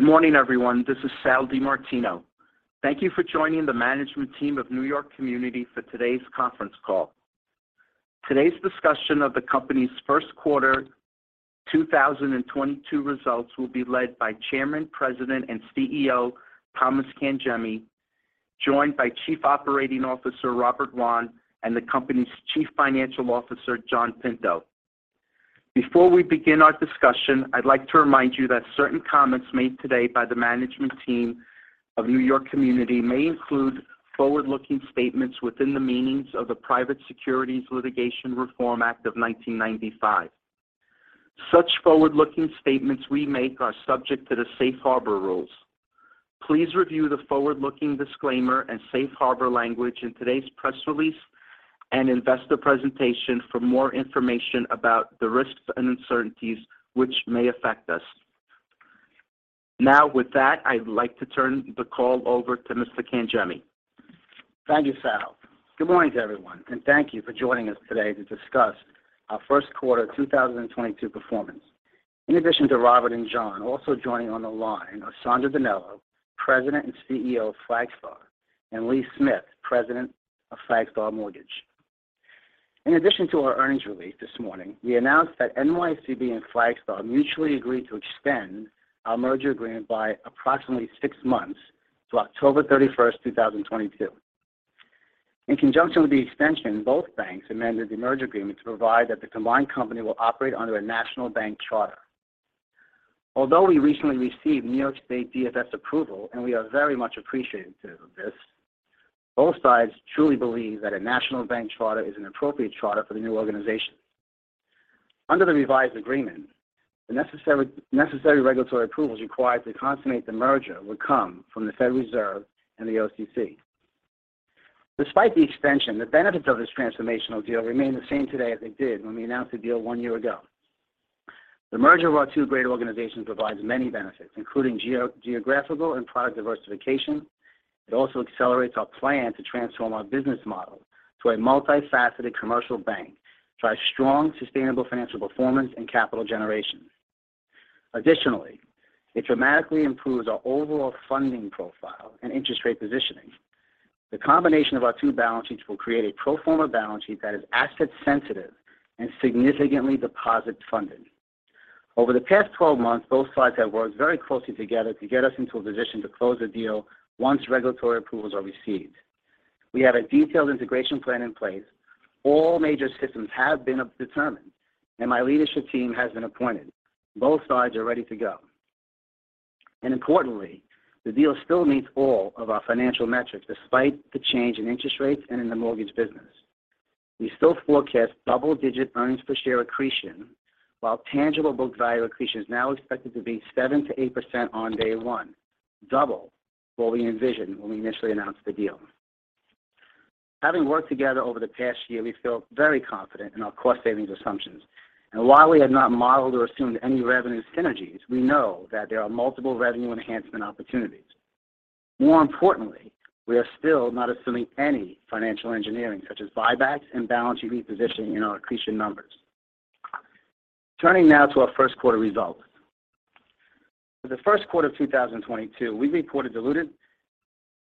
Good morning, everyone. This is Sal DiMartino. Thank you for joining the management team of New York Community for today's conference call. Today's discussion of the company's first quarter 2022 results will be led by Chairman, President, and CEO, Thomas Cangemi, joined by Chief Operating Officer Robert Wann, and the company's Chief Financial Officer, John Pinto. Before we begin our discussion, I'd like to remind you that certain comments made today by the management team of New York Community may include forward-looking statements within the meanings of the Private Securities Litigation Reform Act of 1995. Such forward-looking statements we make are subject to the safe harbor rules. Please review the forward-looking disclaimer and safe harbor language in today's press release and investor presentation for more information about the risks and uncertainties which may affect us. Now, with that, I'd like to turn the call over to Mr. Cangemi. Thank you, Sal. Good morning to everyone, and thank you for joining us today to discuss our first quarter 2022 performance. In addition to Robert and John, also joining on the line are Sandro DiNello, President, and CEO of Flagstar, and Lee Smith, President of Flagstar Mortgage. In addition to our earnings release this morning, we announced that NYCB and Flagstar mutually agreed to extend our merger agreement by approximately six months to October 31, 2022. In conjunction with the extension, both banks amended the merger agreement to provide that the combined company will operate under a national bank charter. Although we recently received New York State DFS approval, and we are very much appreciative of this, both sides truly believe that a national bank charter is an appropriate charter for the new organization. Under the revised agreement, the necessary regulatory approvals required to consummate the merger would come from the Federal Reserve and the OCC. Despite the extension, the benefits of this transformational deal remain the same today as they did when we announced the deal one year ago. The merger of our two great organizations provides many benefits, including geographical and product diversification. It also accelerates our plan to transform our business model to a multifaceted commercial bank through a strong, sustainable financial performance and capital generation. Additionally, it dramatically improves our overall funding profile and interest rate positioning. The combination of our two balance sheets will create a pro forma balance sheet that is asset sensitive and significantly deposit-funded. Over the past 12 months, both sides have worked very closely together to get us into a position to close the deal once regulatory approvals are received. We have a detailed integration plan in place. All major systems have been determined, and my leadership team has been appointed. Both sides are ready to go. Importantly, the deal still meets all of our financial metrics despite the change in interest rates and in the mortgage business. We still forecast double-digit earnings per share accretion, while tangible book value accretion is now expected to be 7%-8% on day one, double what we envisioned when we initially announced the deal. Having worked together over the past year, we feel very confident in our cost savings assumptions. While we have not modeled or assumed any revenue synergies, we know that there are multiple revenue enhancement opportunities. More importantly, we are still not assuming any financial engineering, such as buybacks and balance sheet repositioning in our accretion numbers. Turning now to our first quarter results. For the first quarter of 2022, we reported diluted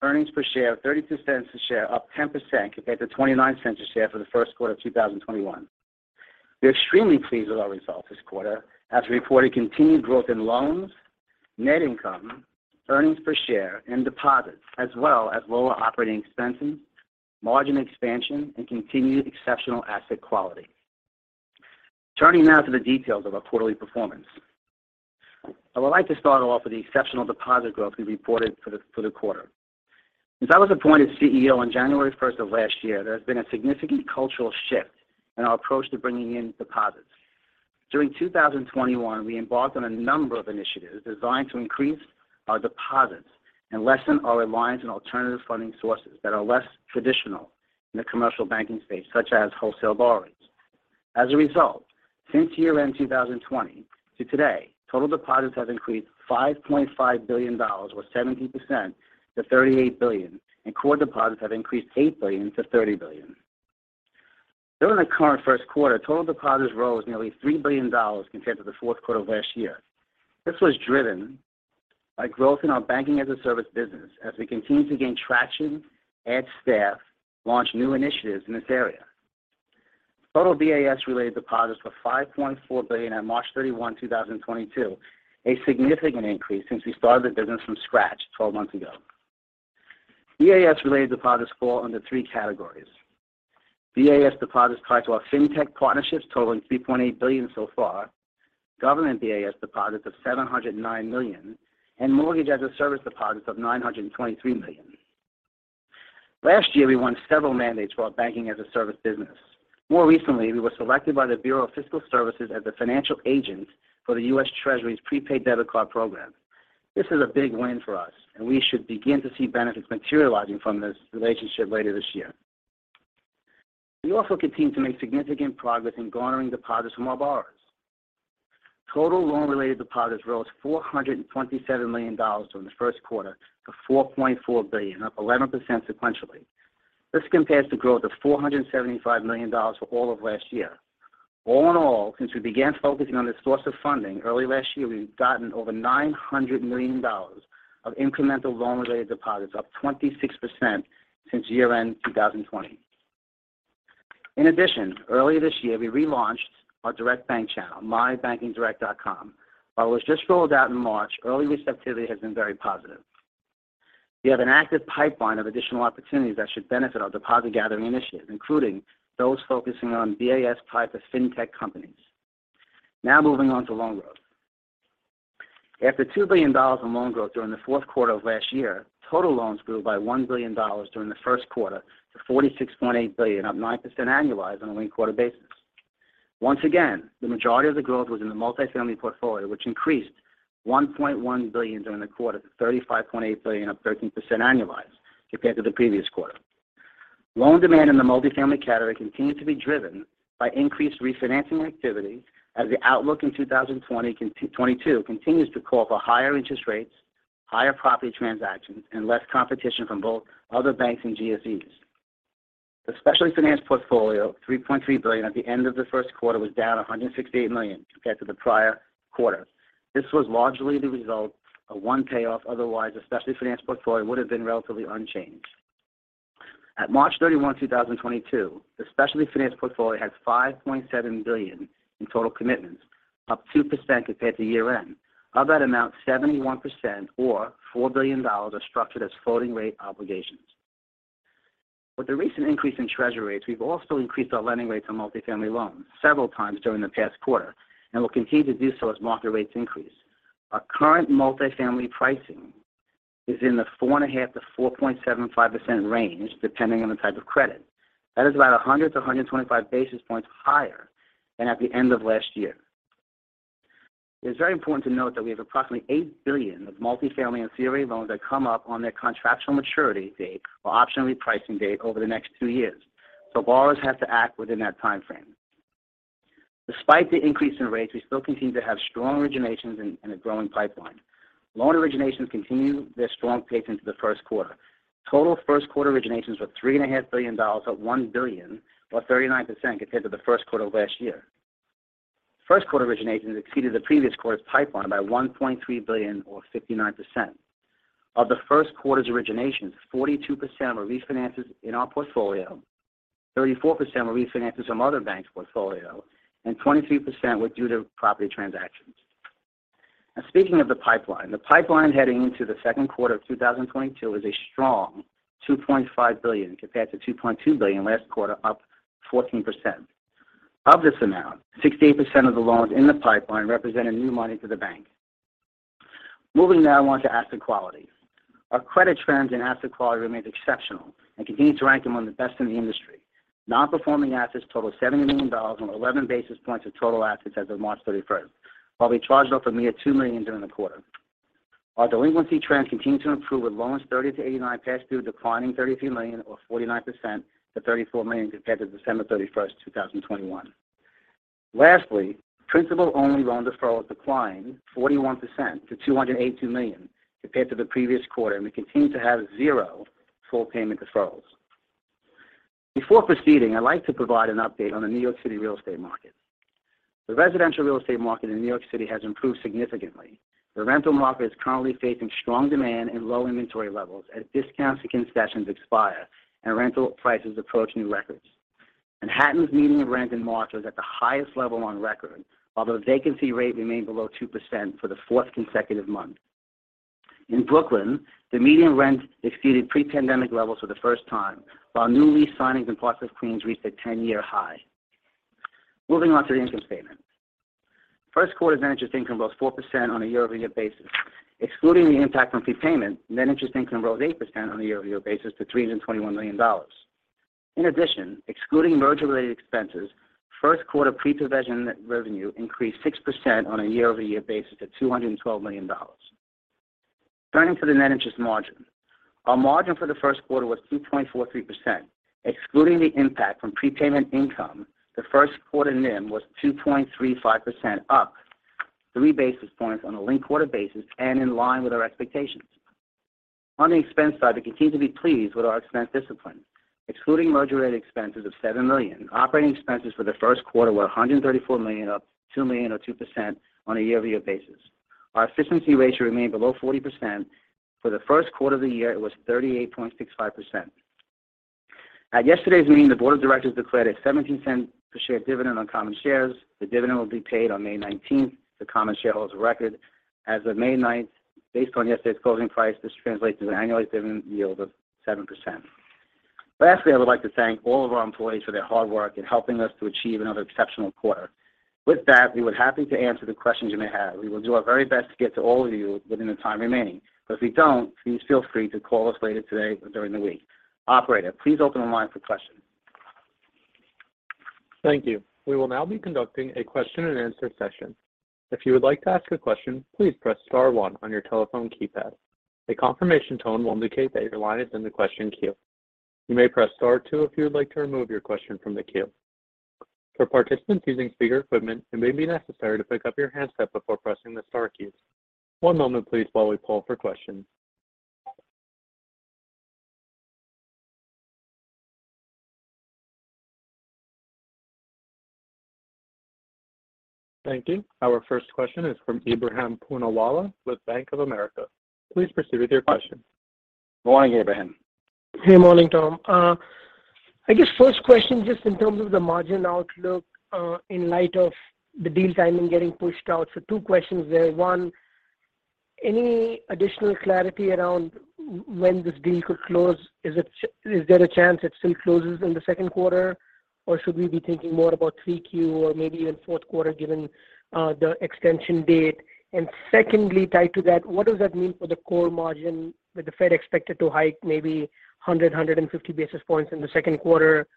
earnings per share of $0.32 a share, up 10% compared to $0.29 a share for the first quarter of 2021. We're extremely pleased with our results this quarter as we reported continued growth in loans, net income, earnings per share, and deposits, as well as lower operating expenses, margin expansion, and continued exceptional asset quality. Turning now to the details of our quarterly performance. I would like to start off with the exceptional deposit growth we reported for the quarter. Since I was appointed CEO on January 1st of last year, there has been a significant cultural shift in our approach to bringing in deposits. During 2021, we embarked on a number of initiatives designed to increase our deposits and lessen our reliance on alternative funding sources that are less traditional in the commercial banking space, such as wholesale borrowings. As a result, since year-end 2020 to today, total deposits have increased $5.5 billion or 70% to $38 billion, and core deposits have increased $8 billion-$30 billion. During the current first quarter, total deposits rose nearly $3 billion compared to the fourth quarter of last year. This was driven by growth in our banking-as-a-service business as we continue to gain traction, add staff, launch new initiatives in this area. Total BaaS-related deposits were $5.4 billion on March 31, 2022, a significant increase since we started the business from scratch 12 months ago. BaaS-related deposits fall under three categories. BaaS deposits tied to our fintech partnerships totaling $3.8 billion so far, government BaaS deposits of $709 million, and mortgage-as-a-service deposits of $923 million. Last year, we won several mandates for our banking-as-a-service business. More recently, we were selected by the Bureau of the Fiscal Service as a financial agent for the U.S. Treasury's prepaid debit card program. This is a big win for us, and we should begin to see benefits materializing from this relationship later this year. We also continue to make significant progress in garnering deposits from our borrowers. Total loan-related deposits rose $427 million during the first quarter to $4.4 billion, up 11% sequentially. This compares to growth of $475 million for all of last year. All in all, since we began focusing on this source of funding early last year, we've gotten over $900 million of incremental loan-related deposits, up 26% since year-end 2020. In addition, earlier this year we relaunched our direct bank channel, MyBankingDirect.com. While it was just rolled out in March, early receptivity has been very positive. We have an active pipeline of additional opportunities that should benefit our deposit-gathering initiative, including those focusing on BaaS type of fintech companies. Now moving on to loan growth. After $2 billion in loan growth during the fourth quarter of last year, total loans grew by $1 billion during the first quarter to $46.8 billion, up 9% annualized on a linked quarter basis. Once again, the majority of the growth was in the multifamily portfolio, which increased $1.1 billion during the quarter to $35.8 billion, up 13% annualized compared to the previous quarter. Loan demand in the multifamily category continued to be driven by increased refinancing activity as the outlook in 2022 continues to call for higher interest rates, higher property transactions, and less competition from both other banks and GSEs. The specialty finance portfolio, $3.3 billion at the end of the first quarter, was down $168 million compared to the prior quarter. This was largely the result of one payoff. Otherwise, the specialty finance portfolio would have been relatively unchanged. At March 31, 2022, the specialty finance portfolio has $5.7 billion in total commitments, up 2% compared to year-end. Of that amount, 71% or $4 billion are structured as floating rate obligations. With the recent increase in treasury rates, we've also increased our lending rates on multifamily loans several times during the past quarter and will continue to do so as market rates increase. Our current multifamily pricing is in the 4.5%-4.75% range, depending on the type of credit. That is about 100-125 basis points higher than at the end of last year. It is very important to note that we have approximately $8 billion of multifamily and CRA loans that come up on their contractual maturity date or optionally pricing date over the next two years, so borrowers have to act within that timeframe. Despite the increase in rates, we still continue to have strong originations and a growing pipeline. Loan originations continued their strong pace into the first quarter. Total first quarter originations were $3.5 billion, up $1 billion or 39% compared to the first quarter of last year. First quarter originations exceeded the previous quarter's pipeline by $1.3 billion or 59%. Of the first quarter's originations, 42% were refinances in our portfolio, 34% were refinances from other banks' portfolio, and 23% were due to property transactions. Speaking of the pipeline, the pipeline heading into the second quarter of 2022 is a strong $2.5 billion compared to $2.2 billion last quarter, up 14%. Of this amount, 68% of the loans in the pipeline represented new money to the bank. Moving now on to asset quality. Our credit trends and asset quality remains exceptional and continue to rank among the best in the industry. Non-performing assets totaled $70 million on 11 basis points of total assets as of March 31st, while we charged off a mere $2 million during the quarter. Our delinquency trends continue to improve with loans 30-89 past due declining $33 million or 49% to $34 million compared to December 31st, 2021. Lastly, principal-only loan deferrals declined 41% to $282 million compared to the previous quarter, and we continue to have zero full payment deferrals. Before proceeding, I'd like to provide an update on the New York City real estate market. The residential real estate market in New York City has improved significantly. The rental market is currently facing strong demand and low inventory levels as discounts and concessions expire and rental prices approach new records. Manhattan's median rent in March was at the highest level on record, while the vacancy rate remained below 2% for the fourth consecutive month. In Brooklyn, the median rent exceeded pre-pandemic levels for the first time, while new lease signings in parts of Queens reached a 10-year high. Moving on to the income statement. First quarter's net interest income rose 4% on a year-over-year basis. Excluding the impact from prepayment, net interest income rose 8% on a year-over-year basis to $321 million. In addition, excluding merger-related expenses, first quarter pre-provision net revenue increased 6% on a year-over-year basis to $212 million. Turning to the net interest margin. Our margin for the first quarter was 2.43%. Excluding the impact from prepayment income, the first quarter NIM was 2.35%, up three basis points on a linked-quarter basis and in line with our expectations. On the expense side, we continue to be pleased with our expense discipline. Excluding merger-related expenses of $7 million, operating expenses for the first quarter were $134 million, up $2 million or 2% on a year-over-year basis. Our efficiency ratio remained below 40%. For the first quarter of the year, it was 38.65%. At yesterday's meeting, the board of directors declared a $0.17 per share dividend on common shares. The dividend will be paid on May 19 to common shareholders of record as of May 9. Based on yesterday's closing price, this translates to an annualized dividend yield of 7%. Lastly, I would like to thank all of our employees for their hard work in helping us to achieve another exceptional quarter. With that, we would be happy to answer the questions you may have. We will do our very best to get to all of you within the time remaining. If we don't, please feel free to call us later today or during the week. Operator, please open the line for questions. Thank you. We will now be conducting a question and answer session. If you would like to ask a question, please press star one on your telephone keypad. A confirmation tone will indicate that your line is in the question queue. You may press star two if you would like to remove your question from the queue. For participants using speaker equipment, it may be necessary to pick up your handset before pressing the star key. One moment please while we poll for questions. Thank you. Our first question is from Ebrahim Poonawala with Bank of America. Please proceed with your question. Good morning, Ebrahim. Hey, morning, Tom. I guess first question, just in terms of the margin outlook, in light of the deal timing getting pushed out. Two questions there. One, any additional clarity around when this deal could close? Is there a chance it still closes in the second quarter, or should we be thinking more about 3Q or maybe even fourth quarter given the extension date? Secondly, tied to that, what does that mean for the core margin with the Fed expected to hike maybe 100-150 basis points in the second quarter?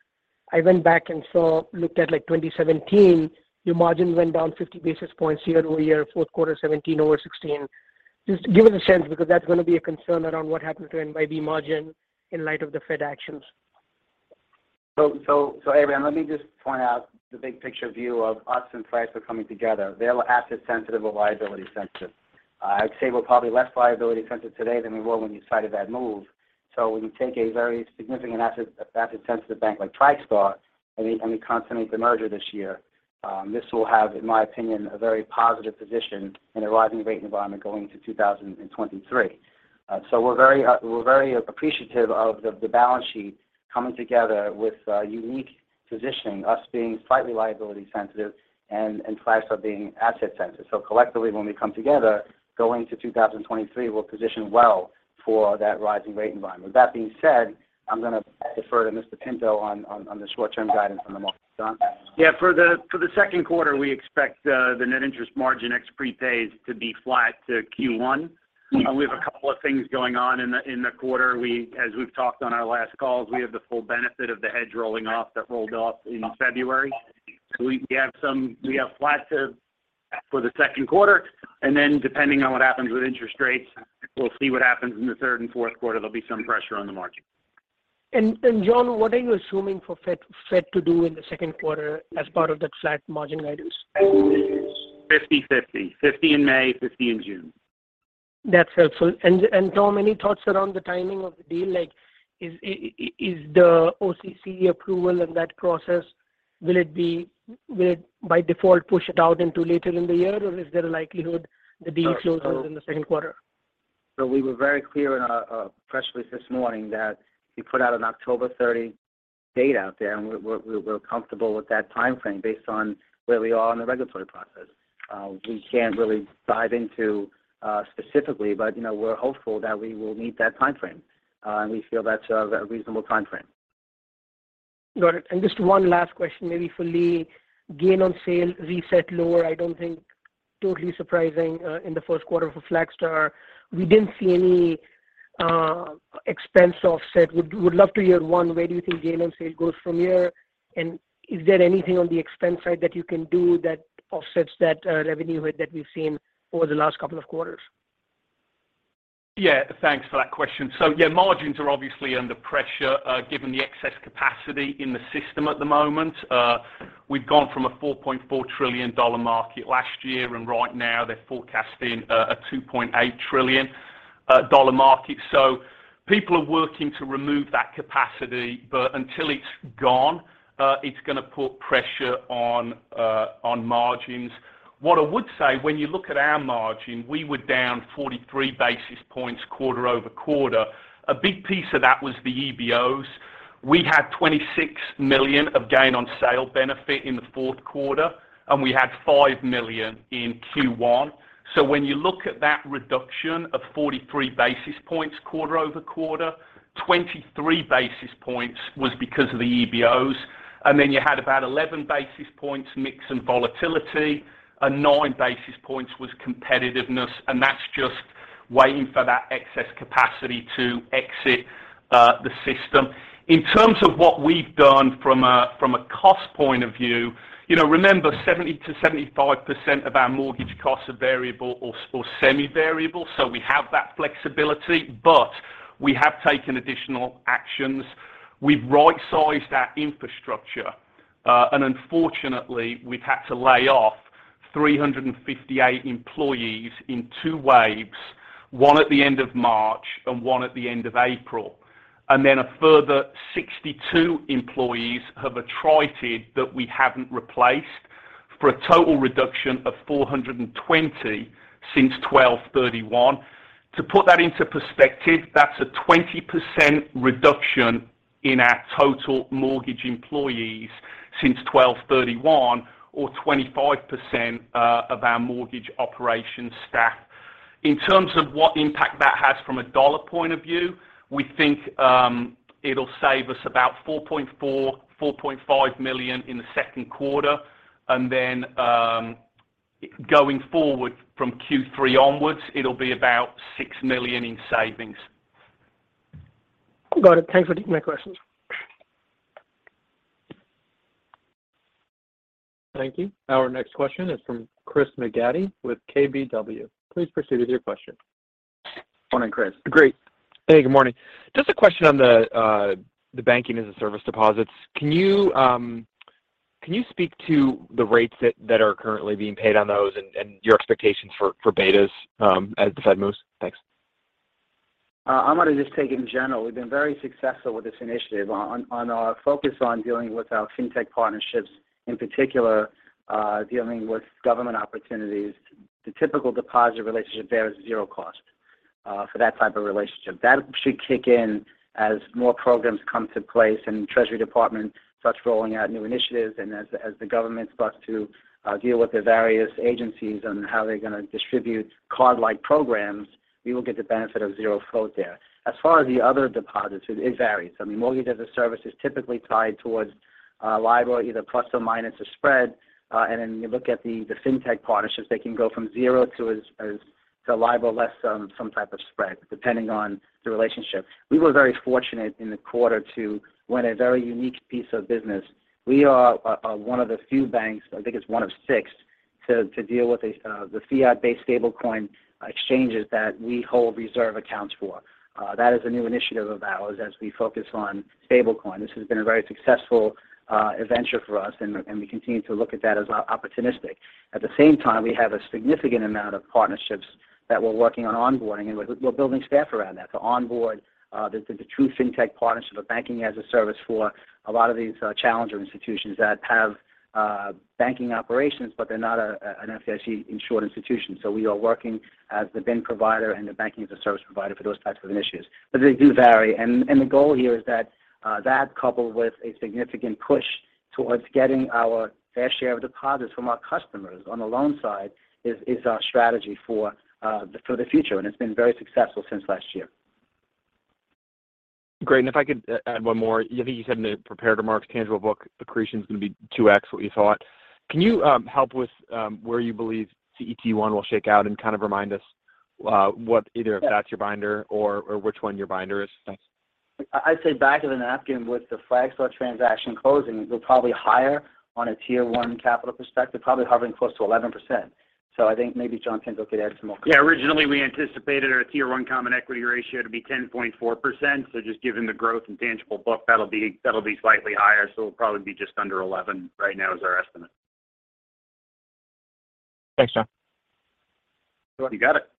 I went back and looked at, like, 2017. Your margin went down 50 basis points year-over-year, fourth quarter 2017 over 2016. Just give us a sense because that's going to be a concern around what happens to NIB margin in light of the Fed actions. Ebrahim, let me just point out the big picture view of us and Flagstar coming together. They're asset sensitive, we're liability sensitive. I'd say we're probably less liability sensitive today than we were when you cited that move. When you take a very significant asset sensitive bank like Flagstar, and we consummate the merger this year, this will have, in my opinion, a very positive position in a rising rate environment going to 2023. We're very appreciative of the balance sheet coming together with a unique positioning, us being slightly liability sensitive and Flagstar being asset sensitive. Collectively, when we come together going to 2023, we'll position well for that rising rate environment. With that being said, I'm gonna defer to Mr. Pinto on the short-term guidance on the margin. John? Yeah. For the second quarter, we expect the net interest margin ex prepays to be flat to Q1. We have a couple of things going on in the quarter. As we've talked on our last calls, we have the full benefit of the hedge rolling off that rolled off in February. So we have some. We have flat to for the second quarter. Then depending on what happens with interest rates, we'll see what happens in the third and fourth quarter. There'll be some pressure on the margin. John, what are you assuming for Fed to do in the second quarter as part of that flat margin guidance? 50/50. 50 in May, 50 in June. That's helpful. Tom, any thoughts around the timing of the deal? Like, is the OCC approval and that process, will it by default push it out into later in the year, or is there a likelihood the deal closes in the second quarter? We were very clear in our press release this morning that we put out an October 30 date out there, and we're comfortable with that timeframe based on where we are in the regulatory process. We can't really dive into specifically, but you know, we're hopeful that we will meet that timeframe. We feel that's a reasonable timeframe. Got it. Just one last question, maybe for Lee. Gain on sale reset lower, I don't think totally surprising, in the first quarter for Flagstar. We didn't see any expense offset. Would love to hear, one, where do you think gain on sale goes from here, and is there anything on the expense side that you can do that offsets that revenue hit that we've seen over the last couple of quarters? Yeah. Thanks for that question. Yeah, margins are obviously under pressure, given the excess capacity in the system at the moment. We've gone from a $4.4 trillion market last year, and right now they're forecasting a $2.8 trillion dollar market. People are working to remove that capacity, but until it's gone, it's gonna put pressure on margins. What I would say when you look at our margin, we were down 43 basis points quarter-over-quarter. A big piece of that was the EBOs. We had $26 million of gain on sale benefit in the fourth quarter, and we had $5 million in Q1. When you look at that reduction of 43 basis points quarter-over-quarter, 23 basis points was because of the EBOs. Then you had about 11 basis points mix and volatility, and 9 basis points was competitiveness, and that's just waiting for that excess capacity to exit the system. In terms of what we've done from a cost point of view, you know, remember 70%-75% of our mortgage costs are variable or semi-variable, so we have that flexibility. But we have taken additional actions. We've right-sized our infrastructure, and unfortunately, we've had to lay off 358 employees in two waves, one at the end of March and one at the end of April. Then a further 62 employees have attrited that we haven't replaced, for a total reduction of 420 since 12/31. To put that into perspective, that's a 20% reduction in our total mortgage employees since 12/31 or 25% of our mortgage operations staff. In terms of what impact that has from a dollar point of view, we think it'll save us about $4.4 million-$4.5 million in the second quarter. Then, going forward from Q3 onwards, it'll be about $6 million in savings. Got it. Thanks for taking my questions. Thank you. Our next question is from Chris McGratty with KBW. Please proceed with your question. Morning, Chris. Great. Hey, good morning. Just a question on the banking as a service deposits. Can you speak to the rates that are currently being paid on those and your expectations for betas as deposit moves? Thanks. I'm gonna just take in general. We've been very successful with this initiative on our focus on dealing with our FinTech partnerships, in particular, dealing with government opportunities. The typical deposit relationship there is zero cost for that type of relationship. That should kick in as more programs come to place and Treasury Department starts rolling out new initiatives. As the government starts to deal with the various agencies on how they're gonna distribute card-like programs, we will get the benefit of zero float there. As far as the other deposits, it varies. I mean, mortgage as a service is typically tied toward LIBOR, either plus or minus a spread. Then you look at the FinTech partnerships, they can go from zero to as low as LIBOR less some type of spread, depending on the relationship. We were very fortunate in the quarter to win a very unique piece of business. We are one of the few banks, I think it's one of six, to deal with the fiat-based stablecoin exchanges that we hold reserve accounts for. That is a new initiative of ours as we focus on stablecoin. This has been a very successful venture for us, and we continue to look at that as opportunistic. At the same time, we have a significant amount of partnerships that we're working on onboarding, and we're building staff around that to onboard the true FinTech partners for banking as a service for a lot of these challenger institutions that have banking operations, but they're not an FDIC-insured institution. We are working as the BIN provider and the banking as a service provider for those types of initiatives. They do vary. The goal here is that coupled with a significant push towards getting our fair share of deposits from our customers on the loan side is our strategy for the future, and it's been very successful since last year. Great. If I could add one more. I think you said in the prepared remarks tangible book accretion's gonna be 2x what you thought. Can you help with where you believe CET1 will shake out and kind of remind us what either if that's your binder or which one your binder is? Thanks. I'd say back of the napkin with the Flagstar transaction closing, we're probably higher on a Tier 1 capital perspective, probably hovering close to 11%. I think maybe John Pinto could add some more color. Yeah. Originally, we anticipated our Tier 1 common equity ratio to be 10.4%. Just given the growth and tangible book, that'll be slightly higher. We'll probably be just under 11 right now is our estimate. Thanks, John. You got it.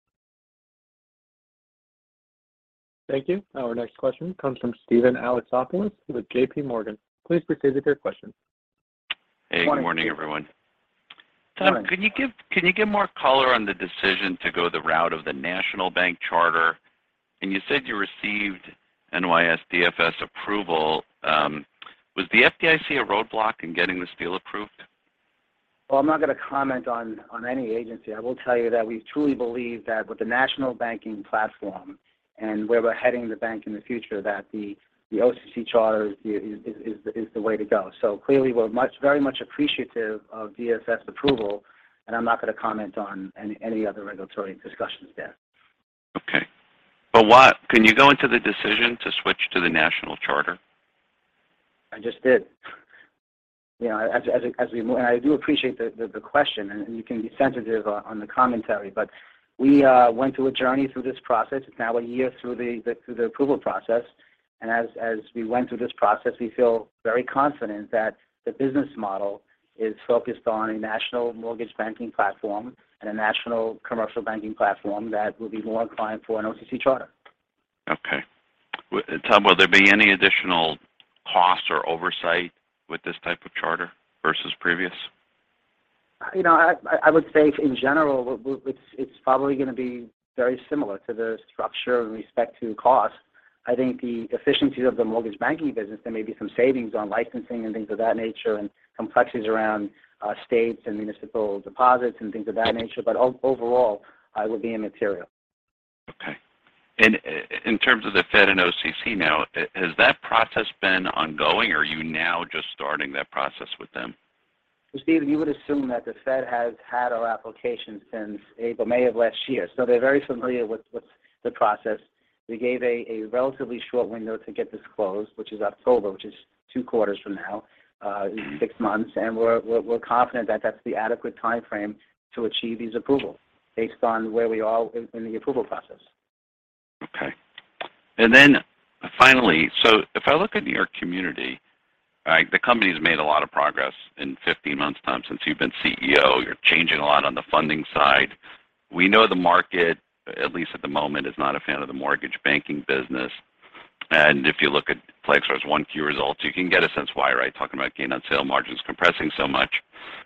Thank you. Our next question comes from Steven Alexopoulos with JPMorgan. Please proceed with your question. Morning. Hey, good morning, everyone. Morning. Tom, can you give more color on the decision to go the route of the national bank charter? You said you received NYSDFS approval. Was the FDIC a roadblock in getting this deal approved? Well, I'm not gonna comment on any agency. I will tell you that we truly believe that with the national banking platform and where we're heading the bank in the future, that the OCC charter is the way to go. Clearly, we're very much appreciative of DFS approval, and I'm not gonna comment on any other regulatory discussions there. Okay. Why? Can you go into the decision to switch to the national charter? I just did. You know, I do appreciate the question, and you can be sensitive on the commentary. We went through a journey through this process. It's now a year through the approval process. As we went through this process, we feel very confident that the business model is focused on a national mortgage banking platform and a national commercial banking platform that will be more inclined for an OCC charter. Okay. Tom, will there be any additional costs or oversight with this type of charter versus previous? You know, I would say in general, it's probably gonna be very similar to the structure with respect to cost. I think the efficiencies of the mortgage banking business, there may be some savings on licensing and things of that nature and complexities around, states and municipal deposits and things of that nature. But overall, would be immaterial. Okay. In terms of the Fed and OCC now, has that process been ongoing, or are you now just starting that process with them? Well, Steven, you would assume that the Fed has had our application since April, May of last year, so they're very familiar with the process. We gave a relatively short window to get this closed, which is October, which is two quarters from now, six months. We're confident that that's the adequate timeframe to achieve these approval based on where we are in the approval process. Okay. If I look at your community, right? The company's made a lot of progress in 15 months time since you've been CEO. You're changing a lot on the funding side. We know the market, at least at the moment, is not a fan of the mortgage banking business. If you look at Flagstar's 1Q results, you can get a sense why, right, talking about gain on sale margins compressing so much.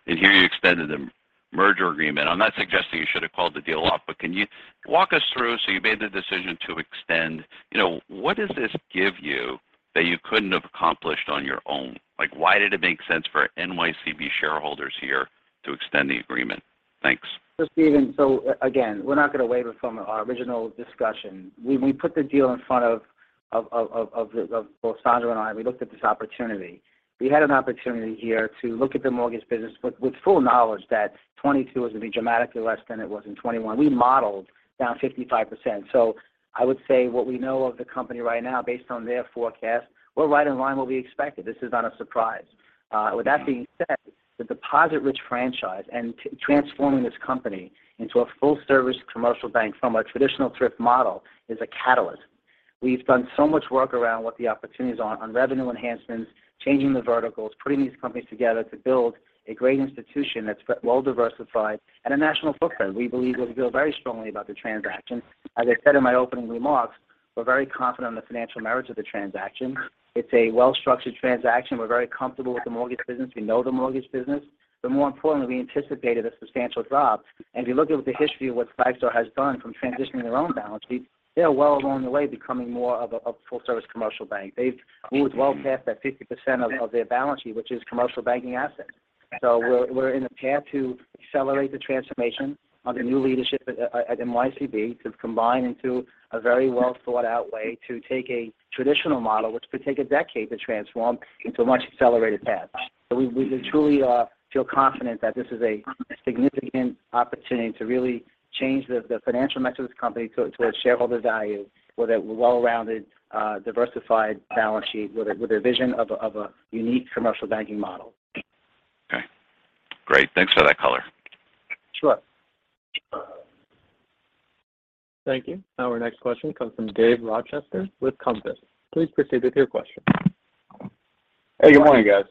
Here you extended the merger agreement. I'm not suggesting you should have called the deal off, but can you walk us through so you made the decision to extend. You know, what does this give you that you couldn't have accomplished on your own? Like, why did it make sense for NYCB shareholders here to extend the agreement? Thanks. Steven, again, we're not going to waver from our original discussion. We put the deal in front of both Sandro and I. We looked at this opportunity. We had an opportunity here to look at the mortgage business with full knowledge that 2022 was going to be dramatically less than it was in 2021. We modeled down 55%. I would say what we know of the company right now based on their forecast, we're right in line with what we expected. This is not a surprise. With that being said, the deposit-rich franchise and transforming this company into a full service commercial bank from a traditional thrift model is a catalyst. We've done so much work around what the opportunities are on revenue enhancements, changing the verticals, putting these companies together to build a great institution that's well diversified and a national footprint. We believe. We feel very strongly about the transaction. As I said in my opening remarks, we're very confident in the financial merits of the transaction. It's a well-structured transaction. We're very comfortable with the mortgage business. We know the mortgage business. More importantly, we anticipated a substantial drop. If you look at the history of what Flagstar has done from transitioning their own balance sheet, they are well along the way becoming more of a full service commercial bank. We would well cap at 50% of their balance sheet, which is commercial banking assets. We're on a path to accelerate the transformation under new leadership at NYCB to combine into a very well thought out way to take a traditional model, which could take a decade to transform into a much accelerated path. We truly feel confident that this is a significant opportunity to really change the financial metrics of this company to add shareholder value with a well-rounded diversified balance sheet with a vision of a unique commercial banking model. Okay. Great. Thanks for that color. Sure. Thank you. Our next question comes from Dave Rochester with Compass. Please proceed with your question. Hey, good morning, guys.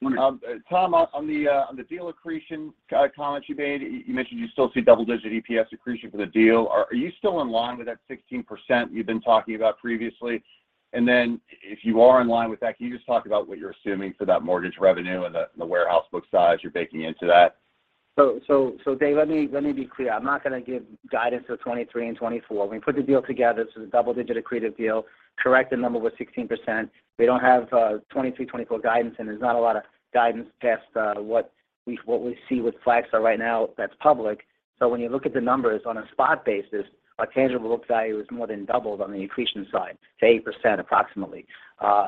Morning. Tom, on the deal accretion comments you made, you mentioned you still see double-digit EPS accretion for the deal. Are you still in line with that 16% you've been talking about previously? If you are in line with that, can you just talk about what you're assuming for that mortgage revenue and the warehouse book size you're baking into that? Dave, let me be clear. I'm not going to give guidance for 2023 and 2024. When we put the deal together, this is a double-digit accretive deal. Correct, the number was 16%. We don't have 2023, 2024 guidance, and there's not a lot of guidance past what we see with Flagstar right now that's public. When you look at the numbers on a spot basis, our tangible book value has more than doubled on the accretion side to 8% approximately.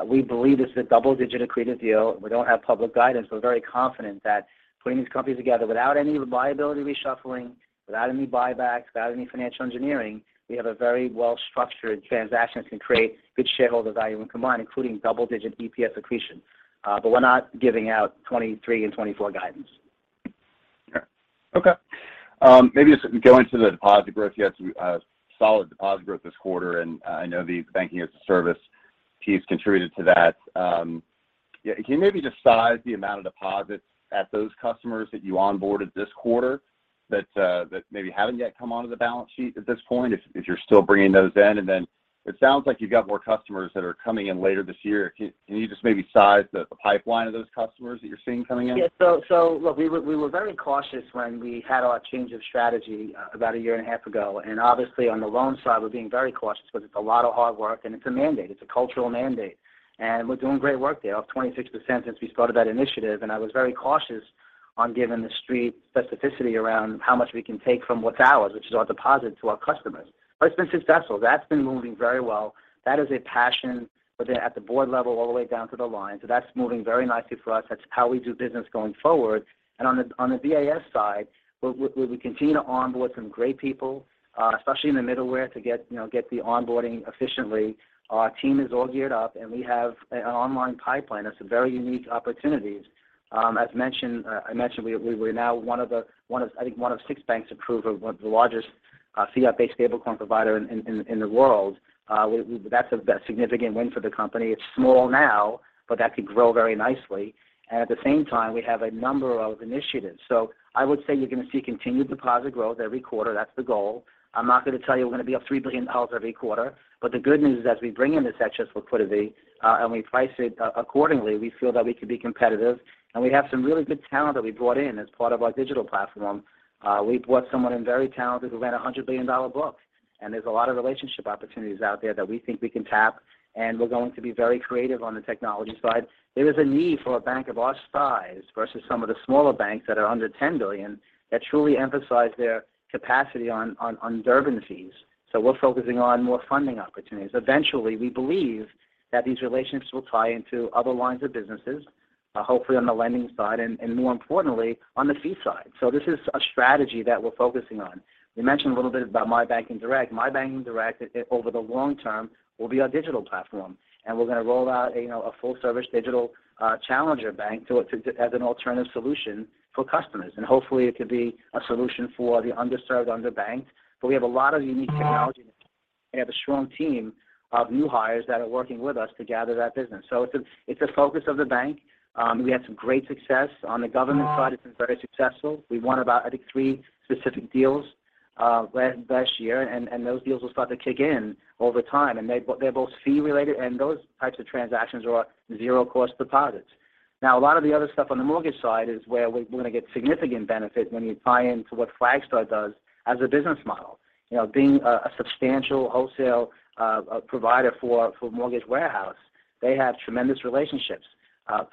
We believe this is a double-digit accretive deal. We don't have public guidance. We're very confident that putting these companies together without any liability reshuffling, without any buybacks, without any financial engineering, we have a very well-structured transaction that can create good shareholder value when combined, including double-digit EPS accretion. We're not giving out 2023 and 2024 guidance. Sure. Okay. Maybe just go into the deposit growth. You had some solid deposit growth this quarter, and I know the Banking as a Service piece contributed to that. Yeah, can you maybe just size the amount of deposits at those customers that you onboarded this quarter that maybe haven't yet come onto the balance sheet at this point, if you're still bringing those in? It sounds like you've got more customers that are coming in later this year. Can you just maybe size the pipeline of those customers that you're seeing coming in? Yeah. Look, we were very cautious when we had our change of strategy about a year and 1/2 ago. Obviously on the loan side, we're being very cautious because it's a lot of hard work and it's a mandate. It's a cultural mandate. We're doing great work there, up 26% since we started that initiative. I was very cautious on giving the street specificity around how much we can take from what's ours, which is our deposit to our customers. It's been successful. That's been moving very well. That is a passion within, at the board level all the way down to the line. That's moving very nicely for us. That's how we do business going forward. On the BaaS side, we continue to onboard some great people, especially in the middleware to get you know the onboarding efficiently. Our team is all geared up and we have an online pipeline of some very unique opportunities. As mentioned, we're now one of, I think one of six banks approved of one of the largest CF-based stablecoin provider in the world. That's a significant win for the company. It's small now, but that could grow very nicely. At the same time, we have a number of initiatives. I would say you're going to see continued deposit growth every quarter. That's the goal. I'm not going to tell you we're going to be up $3 billion every quarter. The good news is as we bring in this excess liquidity, and we price it accordingly, we feel that we can be competitive. We have some really good talent that we brought in as part of our digital platform. We brought someone in very talented who ran a $100 billion book. There's a lot of relationship opportunities out there that we think we can tap. We're going to be very creative on the technology side. There is a need for a bank of our size versus some of the smaller banks that are under $10 billion that truly emphasize their capacity on Durbin exemptions. We're focusing on more funding opportunities. Eventually, we believe that these relationships will tie into other lines of businesses, hopefully on the lending side and more importantly, on the fee side. This is a strategy that we're focusing on. We mentioned a little bit about My Banking Direct. My Banking Direct over the long term will be our digital platform, and we're going to roll out a full service digital challenger bank to it as an alternative solution for customers. Hopefully it could be a solution for the underserved underbanked. We have a lot of unique technology and have a strong team of new hires that are working with us to gather that business. It's a focus of the bank. We had some great success on the government side. It's been very successful. We won about, I think, three specific deals last year. Those deals will start to kick in over time. They're both fee related, and those types of transactions are zero cost deposits. Now, a lot of the other stuff on the mortgage side is where we're going to get significant benefit when you tie into what Flagstar does as a business model. You know, being a substantial wholesale provider for Mortgage Warehouse, they have tremendous relationships.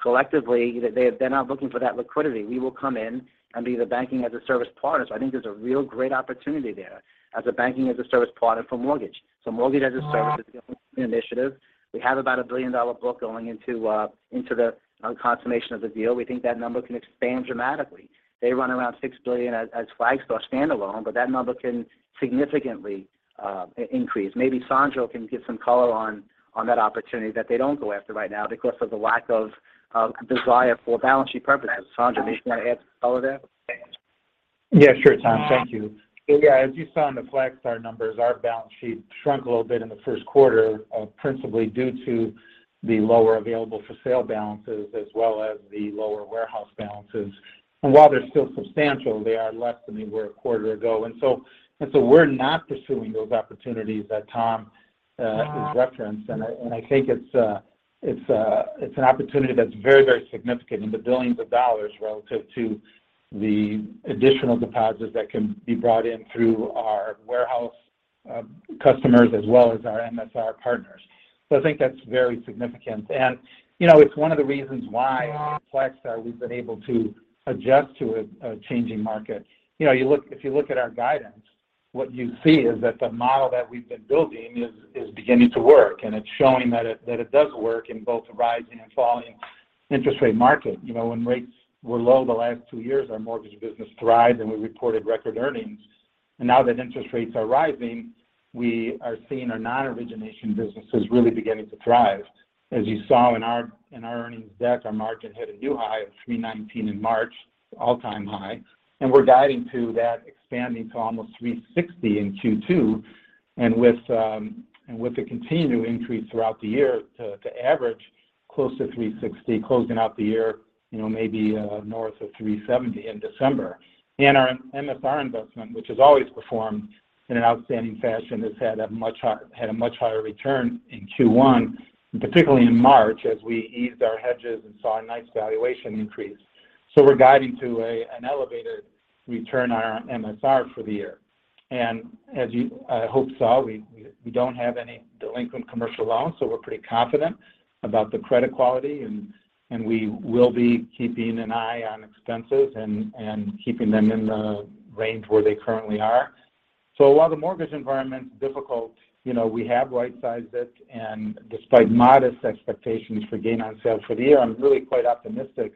Collectively, they're now looking for that liquidity. We will come in and be the banking as a service partner. I think there's a real great opportunity there as a banking as a service partner for mortgage. Mortgage as a service initiative, we have about a billion-dollar book going into the consummation of the deal. We think that number can expand dramatically. They run around $6 billion as Flagstar standalone, but that number can significantly increase. Maybe Sandro can give some color on that opportunity that they don't go after right now because of the lack of desire for balance sheet purposes. Sandro, maybe you want to add some color there? Yeah, sure, Tom. Thank you. Yeah, as you saw in the Flagstar numbers, our balance sheet shrunk a little bit in the first quarter, principally due to the lower available for sale balances as well as the lower warehouse balances. While they're still substantial, they are less than they were 1/4 ago. We're not pursuing those opportunities that Tom. Uh-huh. has referenced. I think it's an opportunity that's very significant in the billions of dollars relative to the additional deposits that can be brought in through our warehouse customers as well as our MSR partners. I think that's very significant. You know, it's one of the reasons why. Uh-huh. At Flagstar we've been able to adjust to a changing market. You know, if you look at our guidance, what you see is that the model that we've been building is beginning to work, and it's showing that it does work in both rising and falling interest rate market. You know, when rates were low the last two years, our mortgage business thrived, and we reported record earnings. Now that interest rates are rising, we are seeing our non-origination businesses really beginning to thrive. As you saw in our earnings deck, our margin hit a new high of 319 in March, all-time high. We're guiding to that expanding to almost 360 in Q2. With the continued increase throughout the year to average close to 360, closing out the year, you know, maybe north of 370 in December. Our MSR investment, which has always performed in an outstanding fashion, has had a much higher return in Q1, and particularly in March as we eased our hedges and saw a nice valuation increase. We're guiding to an elevated return on our MSR for the year. As you hopefully saw, we don't have any delinquent commercial loans, so we're pretty confident about the credit quality and we will be keeping an eye on expenses and keeping them in the range where they currently are. While the mortgage environment's difficult, you know, we have right-sized it, and despite modest expectations for gain on sales for the year, I'm really quite optimistic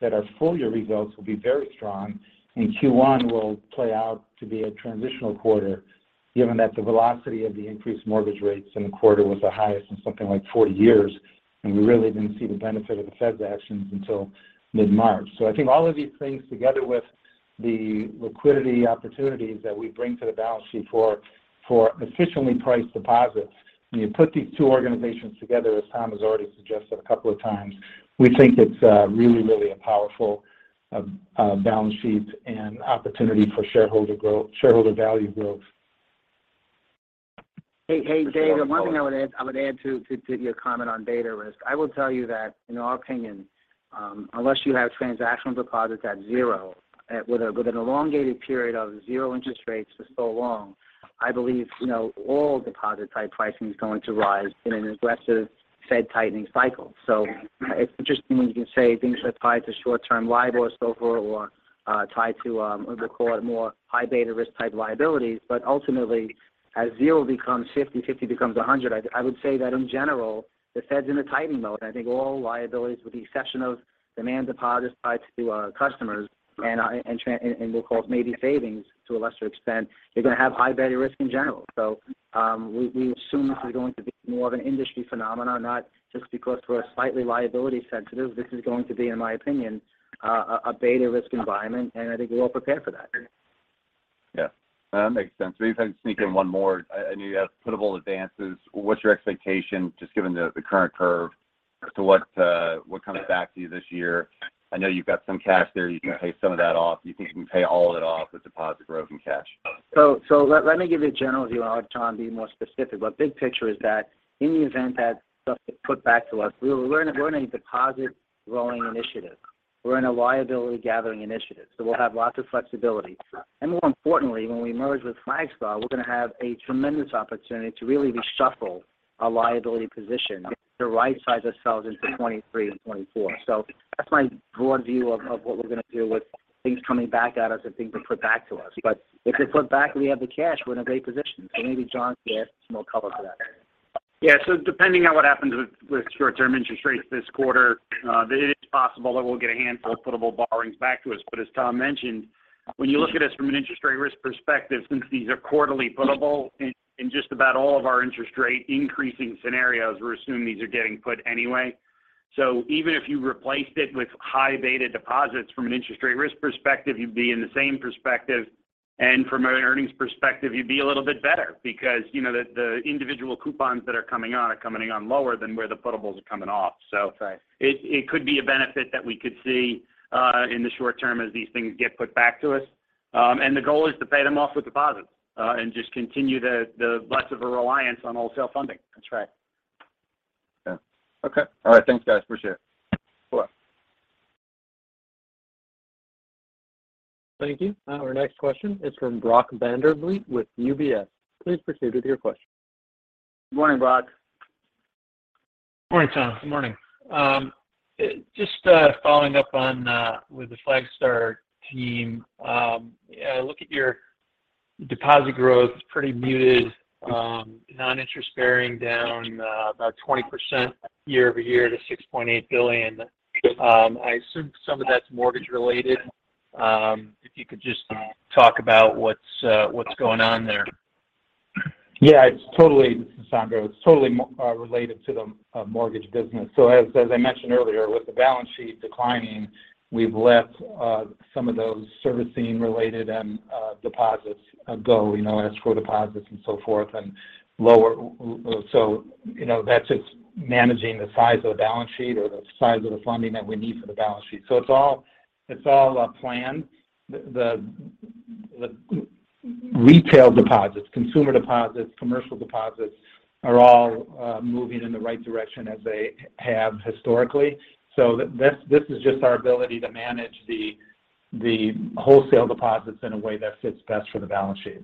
that our full year results will be very strong and Q1 will play out to be a transitional quarter, given that the velocity of the increased mortgage rates in the quarter was the highest in something like 40 years, and we really didn't see the benefit of the Fed's actions until mid-March. I think all of these things together with the liquidity opportunities that we bring to the balance sheet for efficiently priced deposits, when you put these two organizations together, as Tom has already suggested a couple of times, we think it's really a powerful balance sheet and opportunity for shareholder value growth. Hey, Dave. One thing I would add to your comment on beta risk. I will tell you that, in our opinion, unless you have transactional deposits at zero with an elongated period of zero interest rates for so long, I believe, you know, all deposit type pricing is going to rise in an aggressive Fed tightening cycle. It's interesting when you can say things are tied to short-term LIBOR, SOFR or tied to the core more high beta risk type liabilities. Ultimately, as zero becomes 50 becomes 100, I would say that in general, the Fed's in a tightening mode. I think all liabilities, with the exception of demand deposits tied to customers and we'll call it maybe savings to a lesser extent, they're gonna have high beta risk in general. We assume this is going to be more of an industry phenomenon, not just because we're slightly liability sensitive. This is going to be, in my opinion, a beta risk environment, and I think we're all prepared for that. Yeah. That makes sense. Let me try to sneak in one more. I know you have putable advances. What's your expectation, just given the current curve as to what kind of put back to you this year? I know you've got some cash there. You can pay some of that off. Do you think you can pay all of it off with deposit growth and cash? Let me give you a general view, and I'll have Tom be more specific. Big picture is that in the event that stuff is put back to us, we're in a deposit growing initiative. We're in a liability gathering initiative. We'll have lots of flexibility. More importantly, when we merge with Flagstar, we're gonna have a tremendous opportunity to really reshuffle our liability position to rightsize ourselves into 2023 and 2024. That's my broad view of what we're gonna do with things coming back at us and things are put back to us. If they put back and we have the cash, we're in a great position. Maybe John can add some more color to that. Yeah. Depending on what happens with short-term interest rates this quarter, it is possible that we'll get a handful of putable borrowings back to us. As Tom mentioned, when you look at us from an interest rate risk perspective, since these are quarterly putable, in just about all of our interest rate increasing scenarios, we're assuming these are getting put anyway. Even if you replaced it with high beta deposits from an interest rate risk perspective, you'd be in the same perspective. From an earnings perspective, you'd be a little bit better because, you know, the individual coupons that are coming on are coming on lower than where the putables are coming off. Right It could be a benefit that we could see in the short term as these things get put back to us. The goal is to pay them off with deposits, and just continue the less of a reliance on wholesale funding. That's right. Yeah. Okay. All right. Thanks, guys. Appreciate it. Bye. Thank you. Our next question is from Brock Vandervliet with UBS. Please proceed with your question. Good morning, Brock. Good morning, Tom. Good morning. Just following up on with the Flagstar team. I look at your deposit growth, it's pretty muted. Non-interest bearing down about 20% year-over-year to $6.8 billion. I assume some of that's mortgage related. If you could just talk about what's going on there. Yeah, it's totally, Sandro, it's totally related to the mortgage business. As I mentioned earlier, with the balance sheet declining, we've let some of those servicing related and deposits go. You know, escrow deposits and so forth, and lower, so you know, that's just managing the size of the balance sheet or the size of the funding that we need for the balance sheet. It's all planned. The retail deposits, consumer deposits, commercial deposits are all moving in the right direction as they have historically. This is just our ability to manage the wholesale deposits in a way that fits best for the balance sheet.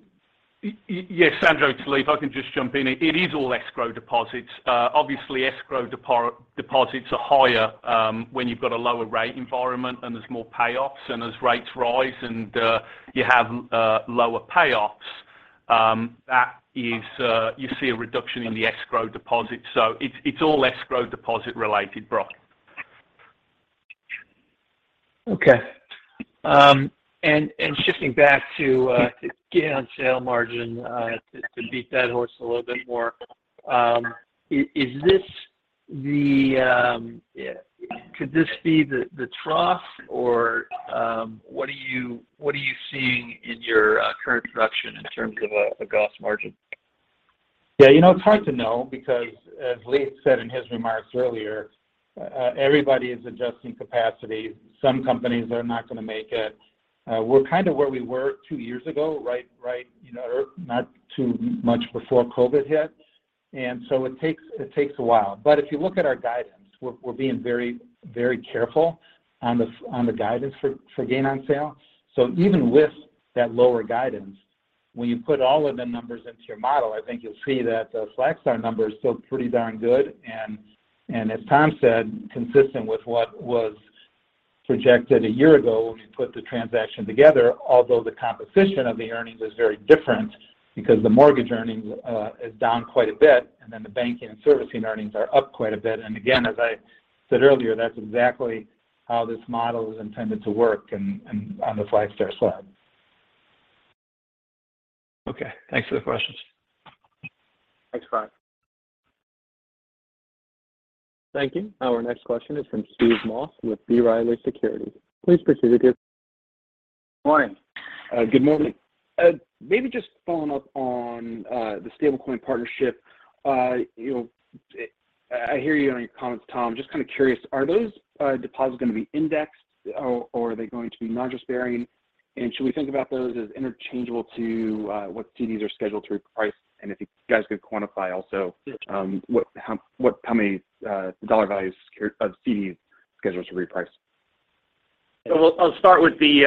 Yes, Sandro, it's Lee. If I can just jump in. It is all escrow deposits. Obviously escrow deposits are higher when you've got a lower rate environment, and there's more payoffs. As rates rise and you have lower payoffs, that is, you see a reduction in the escrow deposits. It's all escrow deposit related, Brock. Okay, and shifting back to gain on sale margin to beat that horse a little bit more. Could this be the trough or what are you seeing in your current production in terms of a GOS margin? Yeah, you know, it's hard to know because as Lee said in his remarks earlier, everybody is adjusting capacity. Some companies are not gonna make it. We're kind of where we were two years ago, right, you know, or not too much before COVID hit. It takes a while. If you look at our guidance, we're being very careful on the guidance for gain on sale. Even with that lower guidance, when you put all of the numbers into your model, I think you'll see that the Flagstar number is still pretty darn good. As Tom said, consistent with what was projected a year ago when we put the transaction together. Although the composition of the earnings is very different because the mortgage earnings is down quite a bit, and then the banking and servicing earnings are up quite a bit. Again, as I said earlier, that's exactly how this model is intended to work and on the Flagstar side. Okay. Thanks for the questions. Thanks, Brock. Thank you. Our next question is from Steve Moss with B. Riley Securities. Please proceed with your question. Good morning. Maybe just following up on the stablecoin partnership. You know, I hear you on your comments, Tom. Just kind of curious, are those deposits gonna be indexed or are they going to be interest-bearing? Should we think about those as interchangeable to what CDs are scheduled to reprice? If you guys could quantify also how many dollar values of CDs scheduled to reprice? I'll start with the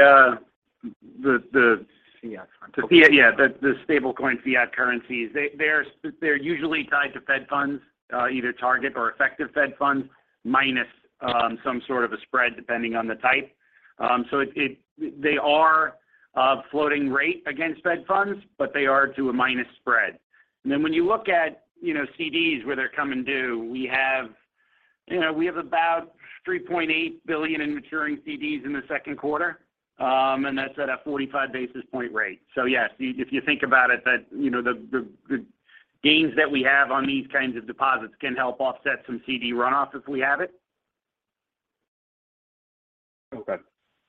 Fiat currency. The fiat. Yeah, the stable coin fiat currencies. They're usually tied to Fed funds, either target or effective Fed funds, minus some sort of a spread depending on the type. They are a floating rate against Fed funds, but they are to a minus spread. Then when you look at, you know, CDs, where they're coming due, we have, you know, about $3.8 billion in maturing CDs in the second quarter. That's at a 45 basis point rate. Yes, if you think about it, you know, the gains that we have on these kinds of deposits can help offset some CD runoff if we have it.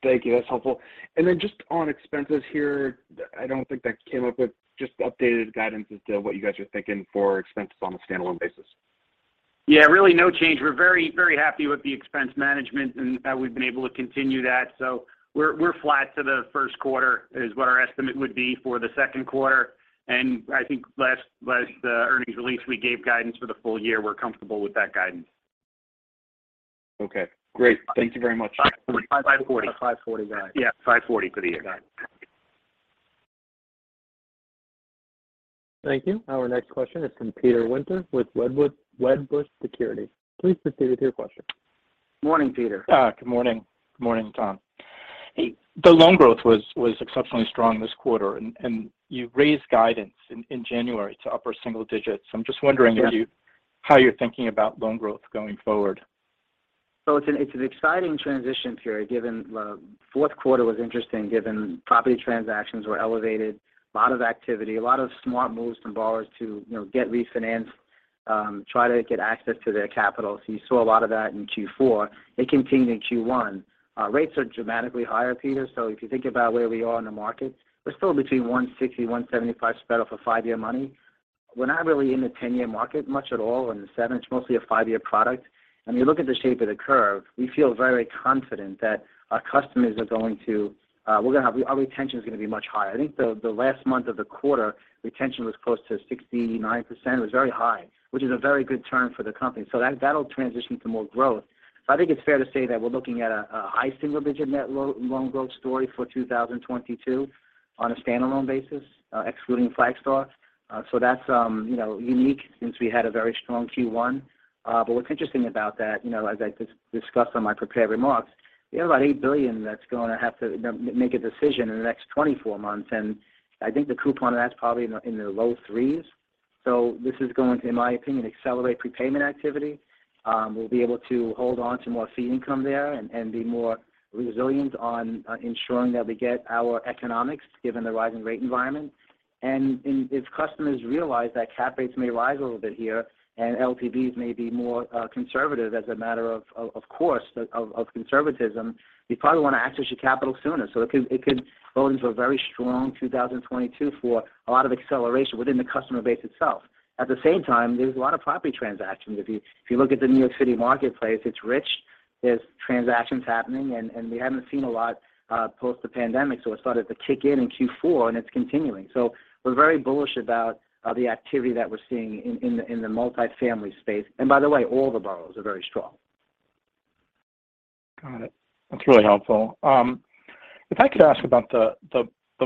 Okay. Thank you. That's helpful. Just on expenses here, I don't think that came up with just updated guidance as to what you guys are thinking for expenses on a standalone basis. Yeah. Really no change. We're very, very happy with the expense management and we've been able to continue that. We're flat to the first quarter is what our estimate would be for the second quarter. I think last earnings release, we gave guidance for the full year. We're comfortable with that guidance. Okay. Great. Thank you very much. 5:40. $540 guidance. Yeah, 5.40 for the year. Thank you. Our next question is from Peter Winter with Wedbush Securities. Please proceed with your question. Morning, Peter. Good morning. Good morning, Tom. The loan growth was exceptionally strong this quarter and you've raised guidance in January to upper single digits. I'm just wondering if you. Sure. How you're thinking about loan growth going forward? It's an exciting transition period given the fourth quarter was interesting given property transactions were elevated, a lot of activity, a lot of smart moves from borrowers to, you know, get refinanced, try to get access to their capital. You saw a lot of that in Q4. It continued in Q1. Rates are dramatically higher, Peter. If you think about where we are in the market, we're still between 160-175 spread off of five-year money. We're not really in the 10-year market much at all in the seven. It's mostly a five-year product. When you look at the shape of the curve, we feel very confident our retention is gonna be much higher. I think the last month of the quarter, retention was close to 69%. It was very high, which is a very good term for the company. That, that'll transition to more growth. I think it's fair to say that we're looking at a high single digit net loan growth story for 2022. On a standalone basis, excluding Flagstar. That's unique since we had a very strong Q1. But what's interesting about that, you know, as I discussed on my prepared remarks, we have about $8 billion that's gonna have to make a decision in the next 24 months. I think the coupon on that's probably in the low threes. This is going to, in my opinion, accelerate prepayment activity. We'll be able to hold on to more fee income there and be more resilient on ensuring that we get our economics given the rising rate environment. If customers realize that cap rates may rise a little bit here and LTVs may be more conservative as a matter of course of conservatism, you probably wanna access your capital sooner. It could go into a very strong 2022 for a lot of acceleration within the customer base itself. At the same time, there's a lot of property transactions. If you look at the New York City marketplace, it's rich. There's transactions happening, and we haven't seen a lot post the pandemic. It started to kick in in Q4, and it's continuing. We're very bullish about the activity that we're seeing in the multifamily space. By the way, all the borrowers are very strong. Got it. That's really helpful. If I could ask about the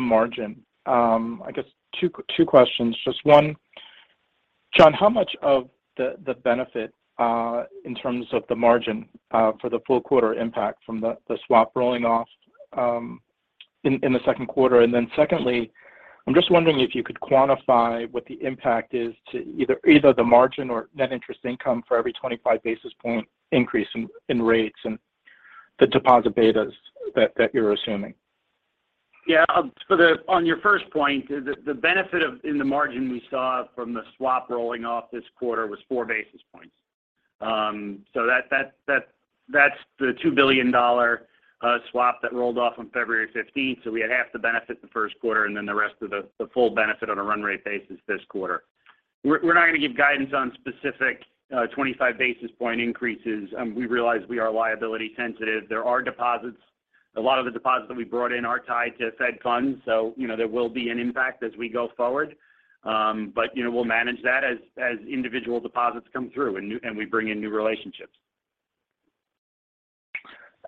margin. I guess two questions. Just one, John, how much of the benefit in terms of the margin for the full quarter impact from the swap rolling off in the second quarter? Secondly, I'm just wondering if you could quantify what the impact is to either the margin or net interest income for every 25 basis point increase in rates and the deposit betas that you're assuming. Yeah. On your first point, the benefit in the margin we saw from the swap rolling off this quarter was 4 basis points. So that's the $2 billion swap that rolled off on February 15th. We had half the benefit the first quarter and then the rest of the full benefit on a run rate basis this quarter. We're not gonna give guidance on specific 25 basis point increases. We realize we are liability sensitive. There are deposits. A lot of the deposits that we brought in are tied to Fed funds, so you know, there will be an impact as we go forward. But you know, we'll manage that as individual deposits come through and we bring in new relationships. If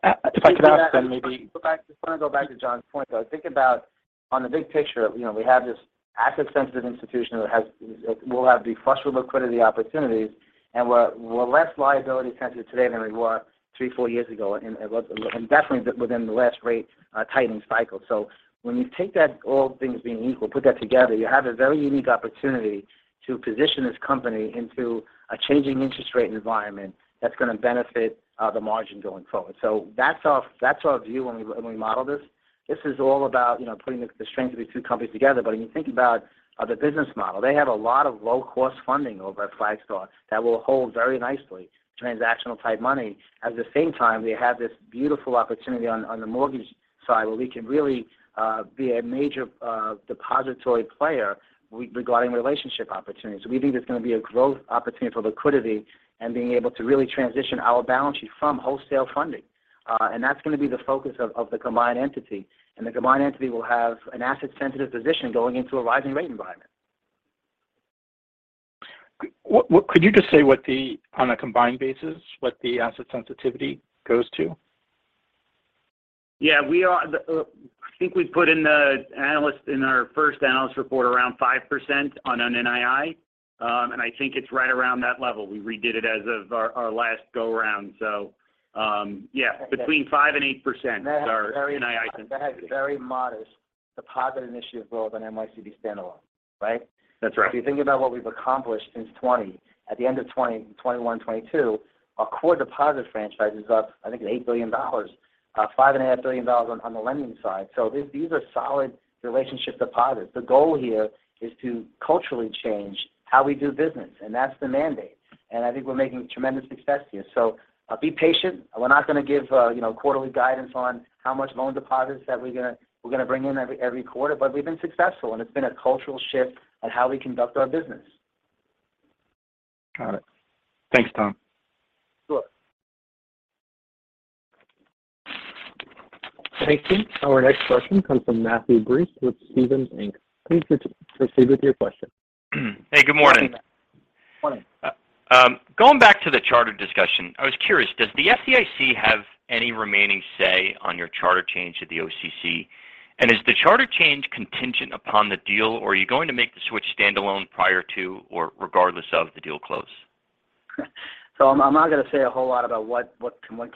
I could ask, then maybe. Just wanna go back to John's point, though. Think about on the big picture, you know, we have this asset-sensitive institution that it will have the flexible liquidity opportunities, and we're less liability sensitive today than we were three, four years ago and definitely within the last rate tightening cycle. When you take that all things being equal, put that together, you have a very unique opportunity to position this company into a changing interest rate environment that's gonna benefit the margin going forward. That's our view when we model this. This is all about, you know, putting the strengths of these two companies together. When you think about the business model, they have a lot of low-cost funding over at Flagstar that will hold very nicely transactional type money. At the same time, we have this beautiful opportunity on the mortgage side where we can really be a major depository player regarding relationship opportunities. We think there's gonna be a growth opportunity for liquidity and being able to really transition our balance sheet from wholesale funding. That's gonna be the focus of the combined entity. The combined entity will have an asset sensitive position going into a rising rate environment. Could you just say what the asset sensitivity goes to on a combined basis? Yeah. I think we put in our first analyst report around 5% on an NII. I think it's right around that level. We redid it as of our last go-round. Between 5% and 8% is our NII sensitivity. That is very modest deposit initiative growth on NYCB standalone, right? That's right. You're thinking about what we've accomplished since 2020. At the end of 2020, 2021, 2022, our core deposit franchise is up, I think $8 billion, $5.5 billion on the lending side. These are solid relationship deposits. The goal here is to culturally change how we do business, and that's the mandate. I think we're making tremendous success here. Be patient. We're not gonna give quarterly guidance on how much loans and deposits that we're gonna bring in every quarter. We've been successful, and it's been a cultural shift on how we conduct our business. Got it. Thanks, Tom. Sure. Thank you. Our next question comes from Matthew Breese with Stephens Inc. Please proceed with your question. Hey, good morning. Morning. Going back to the charter discussion, I was curious, does the FDIC have any remaining say on your charter change to the OCC? Is the charter change contingent upon the deal, or are you going to make the switch stand alone prior to or regardless of the deal close? I'm not gonna say a whole lot about what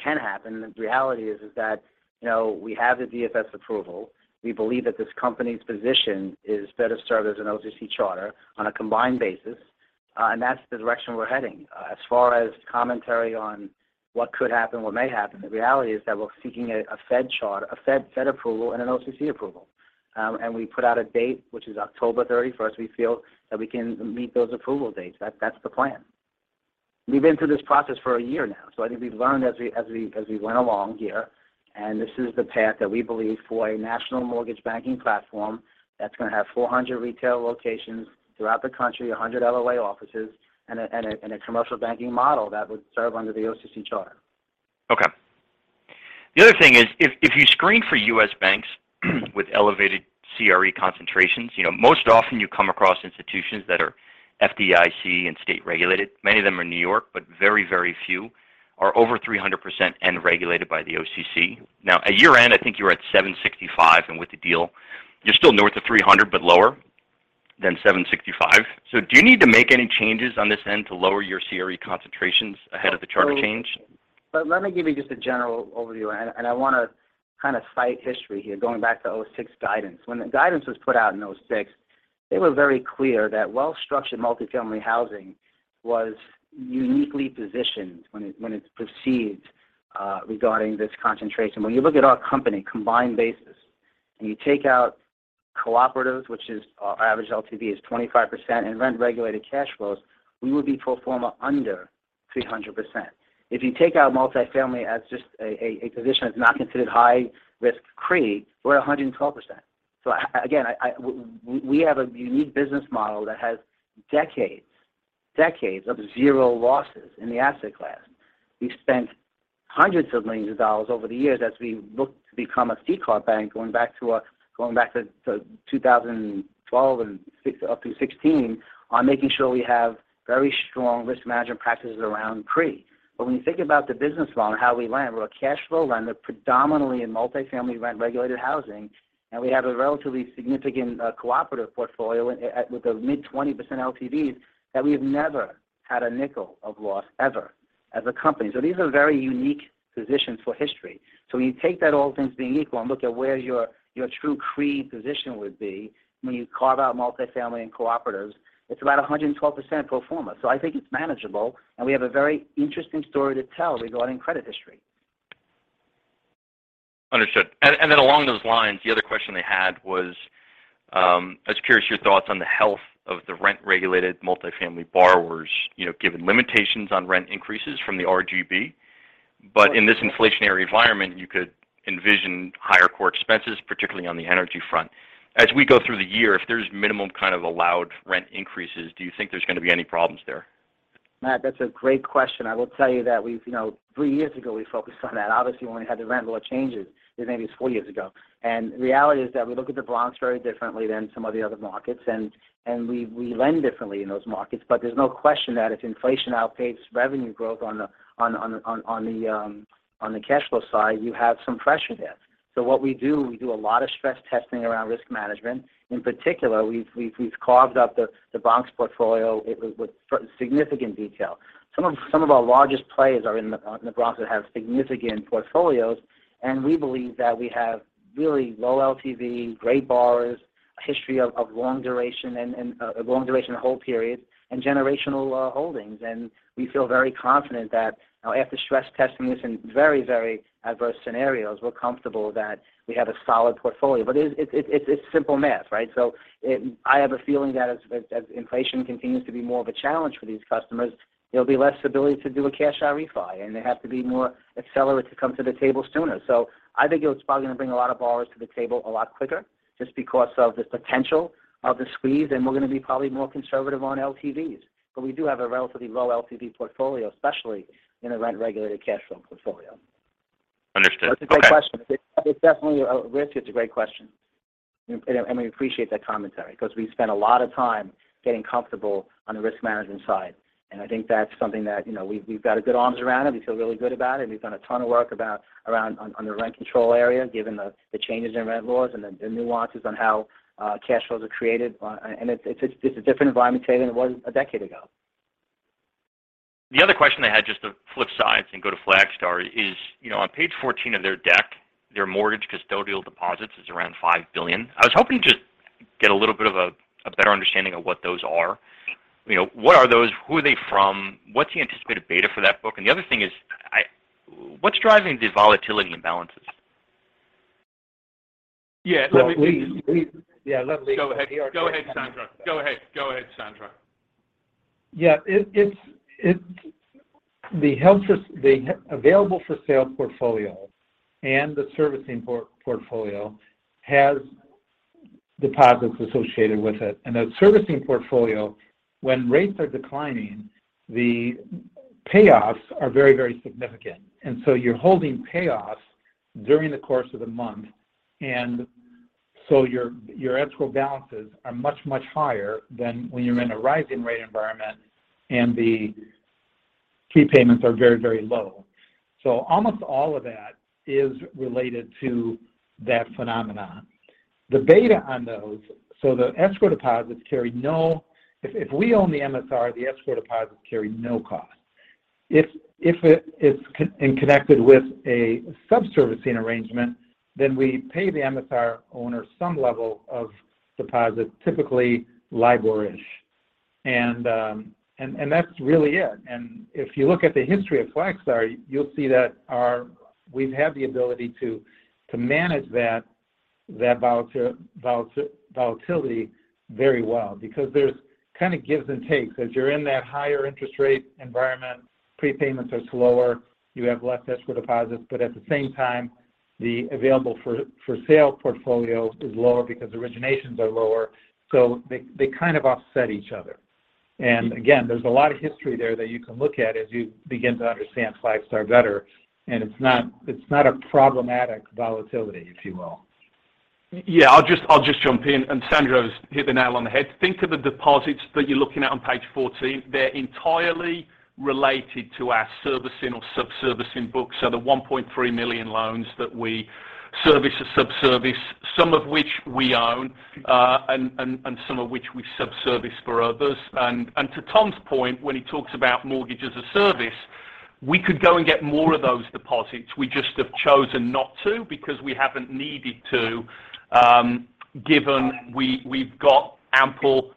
can happen. The reality is that, you know, we have the DFS approval. We believe that this company's position is better served as an OCC charter on a combined basis, and that's the direction we're heading. As far as commentary on what could happen, what may happen, the reality is that we're seeking a Fed charter, a Fed approval and an OCC approval. We put out a date, which is October 31st. We feel that we can meet those approval dates. That's the plan. We've been through this process for a year now, so I think we've learned as we went along here. This is the path that we believe for a national mortgage banking platform that's gonna have 400 retail locations throughout the country, 100 LPO offices and a commercial banking model that would serve under the OCC charter. Okay. The other thing is if you screen for U.S. banks with elevated CRE concentrations, you know, most often you come across institutions that are FDIC and state regulated. Many of them are in New York, but very, very few are over 300% and regulated by the OCC. Now, at year-end, I think you were at 765%, and with the deal, you're still north of 300%, but lower than 765%. Do you need to make any changes on this end to lower your CRE concentrations ahead of the charter change? Let me give you just a general overview, and I wanna kind of cite history here, going back to 2006 guidance. When the guidance was put out in 2006, they were very clear that well-structured multifamily housing was uniquely positioned when it's perceived regarding this concentration. When you look at our company combined basis, and you take out cooperatives, which is our average LTV is 25% in rent regulated cash flows, we would be pro forma under 300%. If you take out multifamily as just a position that's not considered high risk CRE, we're at 112%. So again, we have a unique business model that has decades of zero losses in the asset class. We've spent hundreds of millions of dollars over the years as we look to become a CCAR bank, going back to 2012 and 16 up through 16 on making sure we have very strong risk management practices around CRE. When you think about the business model and how we lend, we're a cash flow lender predominantly in multifamily rent-regulated housing, and we have a relatively significant cooperative portfolio with mid-20% LTVs that we've never had a nickel of loss ever as a company. These are very unique positions in history. When you take that all things being equal and look at where your true CRE position would be when you carve out multifamily and cooperatives, it's about 112% pro forma. I think it's manageable, and we have a very interesting story to tell regarding credit history. Understood. Then along those lines, the other question they had was, I was curious your thoughts on the health of the rent-regulated multifamily borrowers, you know, given limitations on rent increases from the RGB. But in this inflationary environment, you could envision higher core expenses, particularly on the energy front. As we go through the year, if there's minimum kind of allowed rent increases, do you think there's gonna be any problems there? Matt, that's a great question. I will tell you that we've you know, three years ago, we focused on that. Obviously, when we had the rent law changes, it maybe was four years ago. The reality is that we look at the Bronx very differently than some of the other markets and we lend differently in those markets. There's no question that if inflation outpaces revenue growth on the cash flow side, you have some pressure there. What we do, we do a lot of stress testing around risk management. In particular, we've carved up the Bronx portfolio with significant detail. Some of our largest players are in the Bronx that have significant portfolios, and we believe that we have really low LTV, great borrowers, history of long duration and long duration hold periods and generational holdings. We feel very confident that, you know, after stress testing this in very adverse scenarios, we're comfortable that we have a solid portfolio. It's simple math, right? I have a feeling that as inflation continues to be more of a challenge for these customers, there'll be less ability to do a cash-out refi, and they have to be more accelerated to come to the table sooner. I think it's probably gonna bring a lot of borrowers to the table a lot quicker just because of the potential of the squeeze, and we're gonna be probably more conservative on LTVs. We do have a relatively low LTV portfolio, especially in the rent-regulated cash flow portfolio. Understood. Okay. That's a great question. It's definitely a risk. It's a great question. We appreciate that commentary because we spent a lot of time getting comfortable on the risk management side. I think that's something that, you know, we've got our arms around it. We feel really good about it. We've done a ton of work on the rent control area, given the changes in rent laws and the nuances on how cash flows are created. It's a different environment today than it was a decade ago. The other question I had just to flip sides and go to Flagstar is, you know, on page 14 of their deck, their mortgage custodial deposits is around $5 billion. I was hoping to get a little bit of a better understanding of what those are. You know, what are those? Who are they from? What's the anticipated beta for that book? And the other thing is, what's driving the volatility and balances? Yeah. Yeah, let me. Go ahead, Sandro. It's the available-for-sale portfolio and the servicing portfolio has deposits associated with it. The servicing portfolio, when rates are declining, the payoffs are very significant. You're holding payoffs during the course of the month, your escrow balances are much higher than when you're in a rising rate environment and the key payments are very low. Almost all of that is related to that phenomenon. The beta on those, the escrow deposits carry no cost. If we own the MSR, the escrow deposits carry no cost. If it is connected with a subservicing arrangement, then we pay the MSR owner some level of deposit, typically LIBOR-ish. That's really it. If you look at the history of Flagstar, you'll see that we've had the ability to manage that volatility very well because there's kind of gives and takes. You're in that higher interest rate environment, prepayments are slower, you have less escrow deposits. At the same time, the available-for-sale portfolio is lower because originations are lower. They kind of offset each other. Again, there's a lot of history there that you can look at as you begin to understand Flagstar better, and it's not a problematic volatility, if you will. Yeah, I'll just jump in, and Sandro's hit the nail on the head. Think of the deposits that you're looking at on page 14, they're entirely related to our servicing or sub-servicing books. The $1.3 million loans that we service or sub-service, some of which we own, and some of which we sub-service for others. To Tom's point, when he talks about mortgage as a service, we could go and get more of those deposits. We just have chosen not to because we haven't needed to, given we've got ample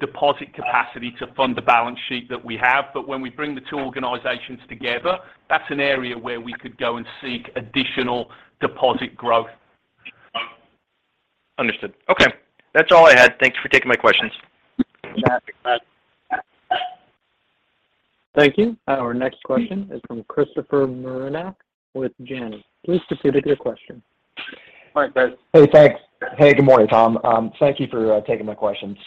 deposit capacity to fund the balance sheet that we have. When we bring the two organizations together, that's an area where we could go and seek additional deposit growth. Understood. Okay. That's all I had. Thanks for taking my questions. Thank you. Our next question is from Christopher Marinac with Janney. Please proceed with your question. Hi. Hey, thanks. Hey, good morning, Tom. Thank you for taking my question.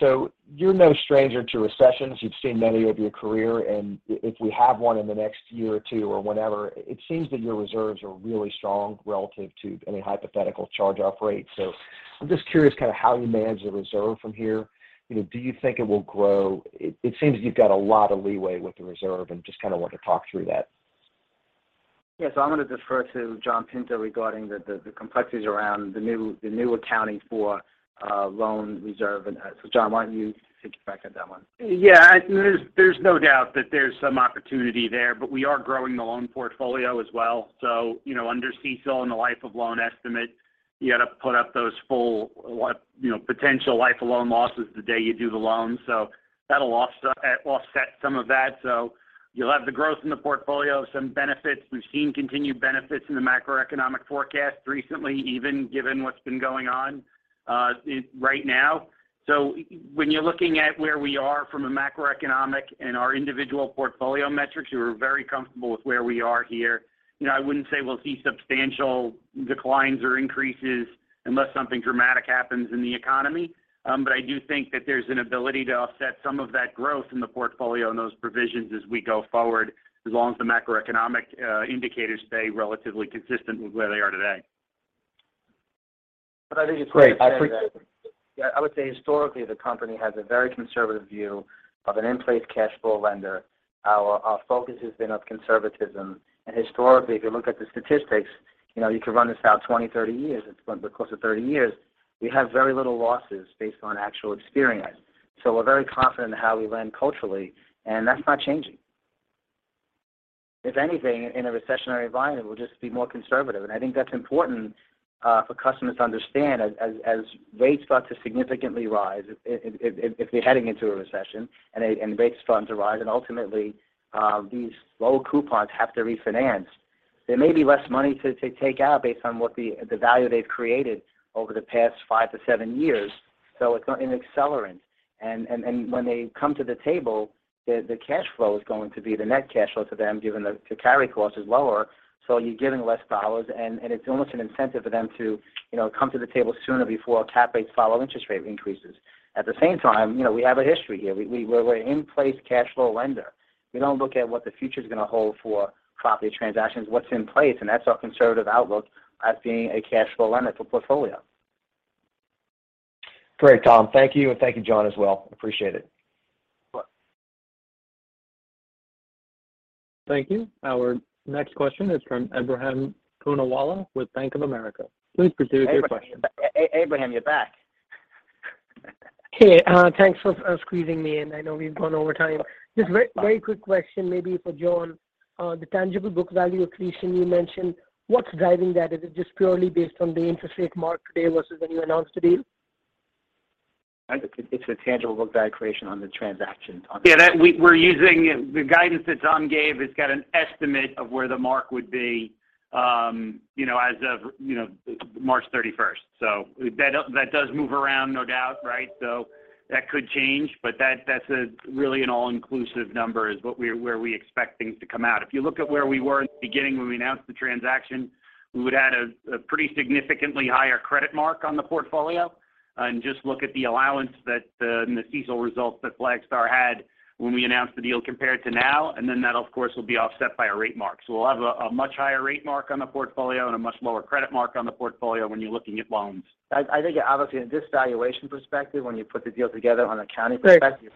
You're no stranger to recessions. You've seen many over your career, and if we have one in the next year or two or whenever, it seems that your reserves are really strong relative to any hypothetical charge-off rate. I'm just curious kind of how you manage the reserve from here. You know, do you think it will grow? It seems you've got a lot of leeway with the reserve and I just kind of want to talk through that. Yeah. I'm gonna defer to John Pinto regarding the complexities around the new accounting for loan reserve and that. John, why don't you take a crack at that one? Yeah. There's no doubt that there's some opportunity there, but we are growing the loan portfolio as well. You know, under CECL and the life of loan estimate, you had to put up those full, what, you know, potential life of loan losses the day you do the loan. That'll offset some of that. You'll have the growth in the portfolio, some benefits. We've seen continued benefits in the macroeconomic forecast recently, even given what's been going on right now. When you're looking at where we are from a macroeconomic and our individual portfolio metrics, we're very comfortable with where we are here. You know, I wouldn't say we'll see substantial declines or increases unless something dramatic happens in the economy. I do think that there's an ability to offset some of that growth in the portfolio and those provisions as we go forward, as long as the macroeconomic indicators stay relatively consistent with where they are today. I think it's great. I appreciate. Yeah. I would say historically, the company has a very conservative view of an in-place cash flow lender. Our focus has been on conservatism. Historically, if you look at the statistics, you know, you can run this out 20, 30 years. It's been close to 30 years. We have very little losses based on actual experience. So we're very confident in how we lend culturally, and that's not changing. If anything, in a recessionary environment, we'll just be more conservative. I think that's important for customers to understand as rates start to significantly rise if they're heading into a recession and rates start to rise, and ultimately, these lower coupons have to refinance, there may be less money to take out based on what the value they've created over the past five-seven years. It's an accelerant. When they come to the table, the cash flow is going to be the net cash flow to them, given the carry cost is lower, so you're giving less dollars, and it's almost an incentive for them to, you know, come to the table sooner before cap rates follow interest rate increases. At the same time, you know, we have a history here. We're an in-place cash flow lender. We don't look at what the future's gonna hold for property transactions, what's in place, and that's our conservative outlook as being a cash flow lender to portfolio. Great, Tom. Thank you, and thank you, John, as well. Appreciate it. Thank you. Our next question is from Ebrahim Poonawala with Bank of America. Please proceed with your question. Ebrahim, you're back. Hey, thanks for squeezing me in. I know we've gone over time. Just very quick question maybe for John. The tangible book value accretion you mentioned, what's driving that? Is it just purely based on the interest rate mark today versus when you announced the deal? I think it's the tangible book value accretion on the transaction. Yeah, we're using the guidance that John gave. It's got an estimate of where the mark would be, as of March 31st. That does move around no doubt, right? That could change, but that's really an all-inclusive number where we expect things to come out. If you look at where we were at the beginning when we announced the transaction, we would add a pretty significantly higher credit mark on the portfolio. Just look at the allowance in the CECL results that Flagstar had when we announced the deal compared to now, and then that of course will be offset by our rate mark. We'll have a much higher rate mark on the portfolio and a much lower credit mark on the portfolio when you're looking at loans. I think obviously in this valuation perspective, when you put the deal together from an accounting perspective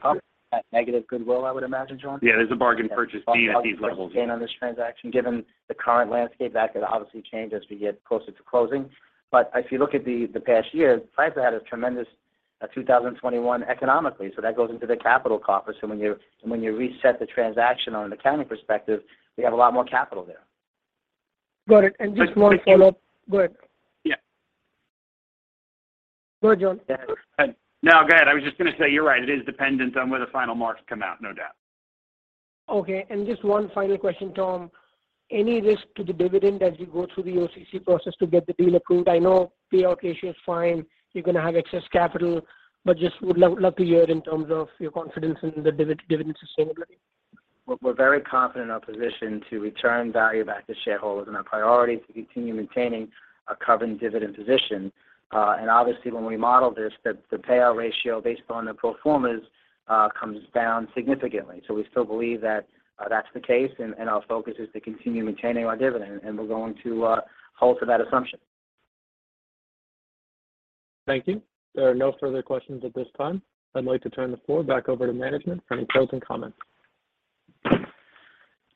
at negative goodwill, I would imagine, John Pinto. Yeah, there's a bargain purchase fee at these levels here. On this transaction, given the current landscape, that could obviously change as we get closer to closing. If you look at the past year, Flagstar had a tremendous 2021 economically. That goes into the capital coffers. When you reset the transaction on an accounting perspective, we have a lot more capital there. Got it. Just one follow-up. Go ahead. Yeah. Go, John. No, go ahead. I was just gonna say, you're right. It is dependent on where the final marks come out, no doubt. Okay. Just one final question, Tom. Any risk to the dividend as you go through the OCC process to get the deal approved? I know payout ratio is fine. You're gonna have excess capital, but just would love to hear in terms of your confidence in the dividend sustainability. We're very confident in our position to return value back to shareholders, and our priority is to continue maintaining a covered dividend position. Obviously when we model this, the payout ratio based on the pro formas comes down significantly. We still believe that that's the case and our focus is to continue maintaining our dividend, and we're going to hold to that assumption. Thank you. There are no further questions at this time. I'd like to turn the floor back over to management for any closing comments.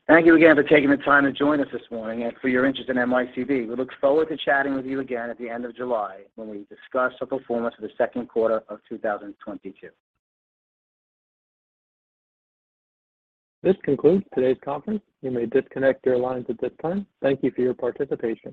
Thank you again for taking the time to join us this morning and for your interest in NYCB. We look forward to chatting with you again at the end of July when we discuss the performance of the second quarter of 2022. This concludes today's conference. You may disconnect your lines at this time. Thank you for your participation.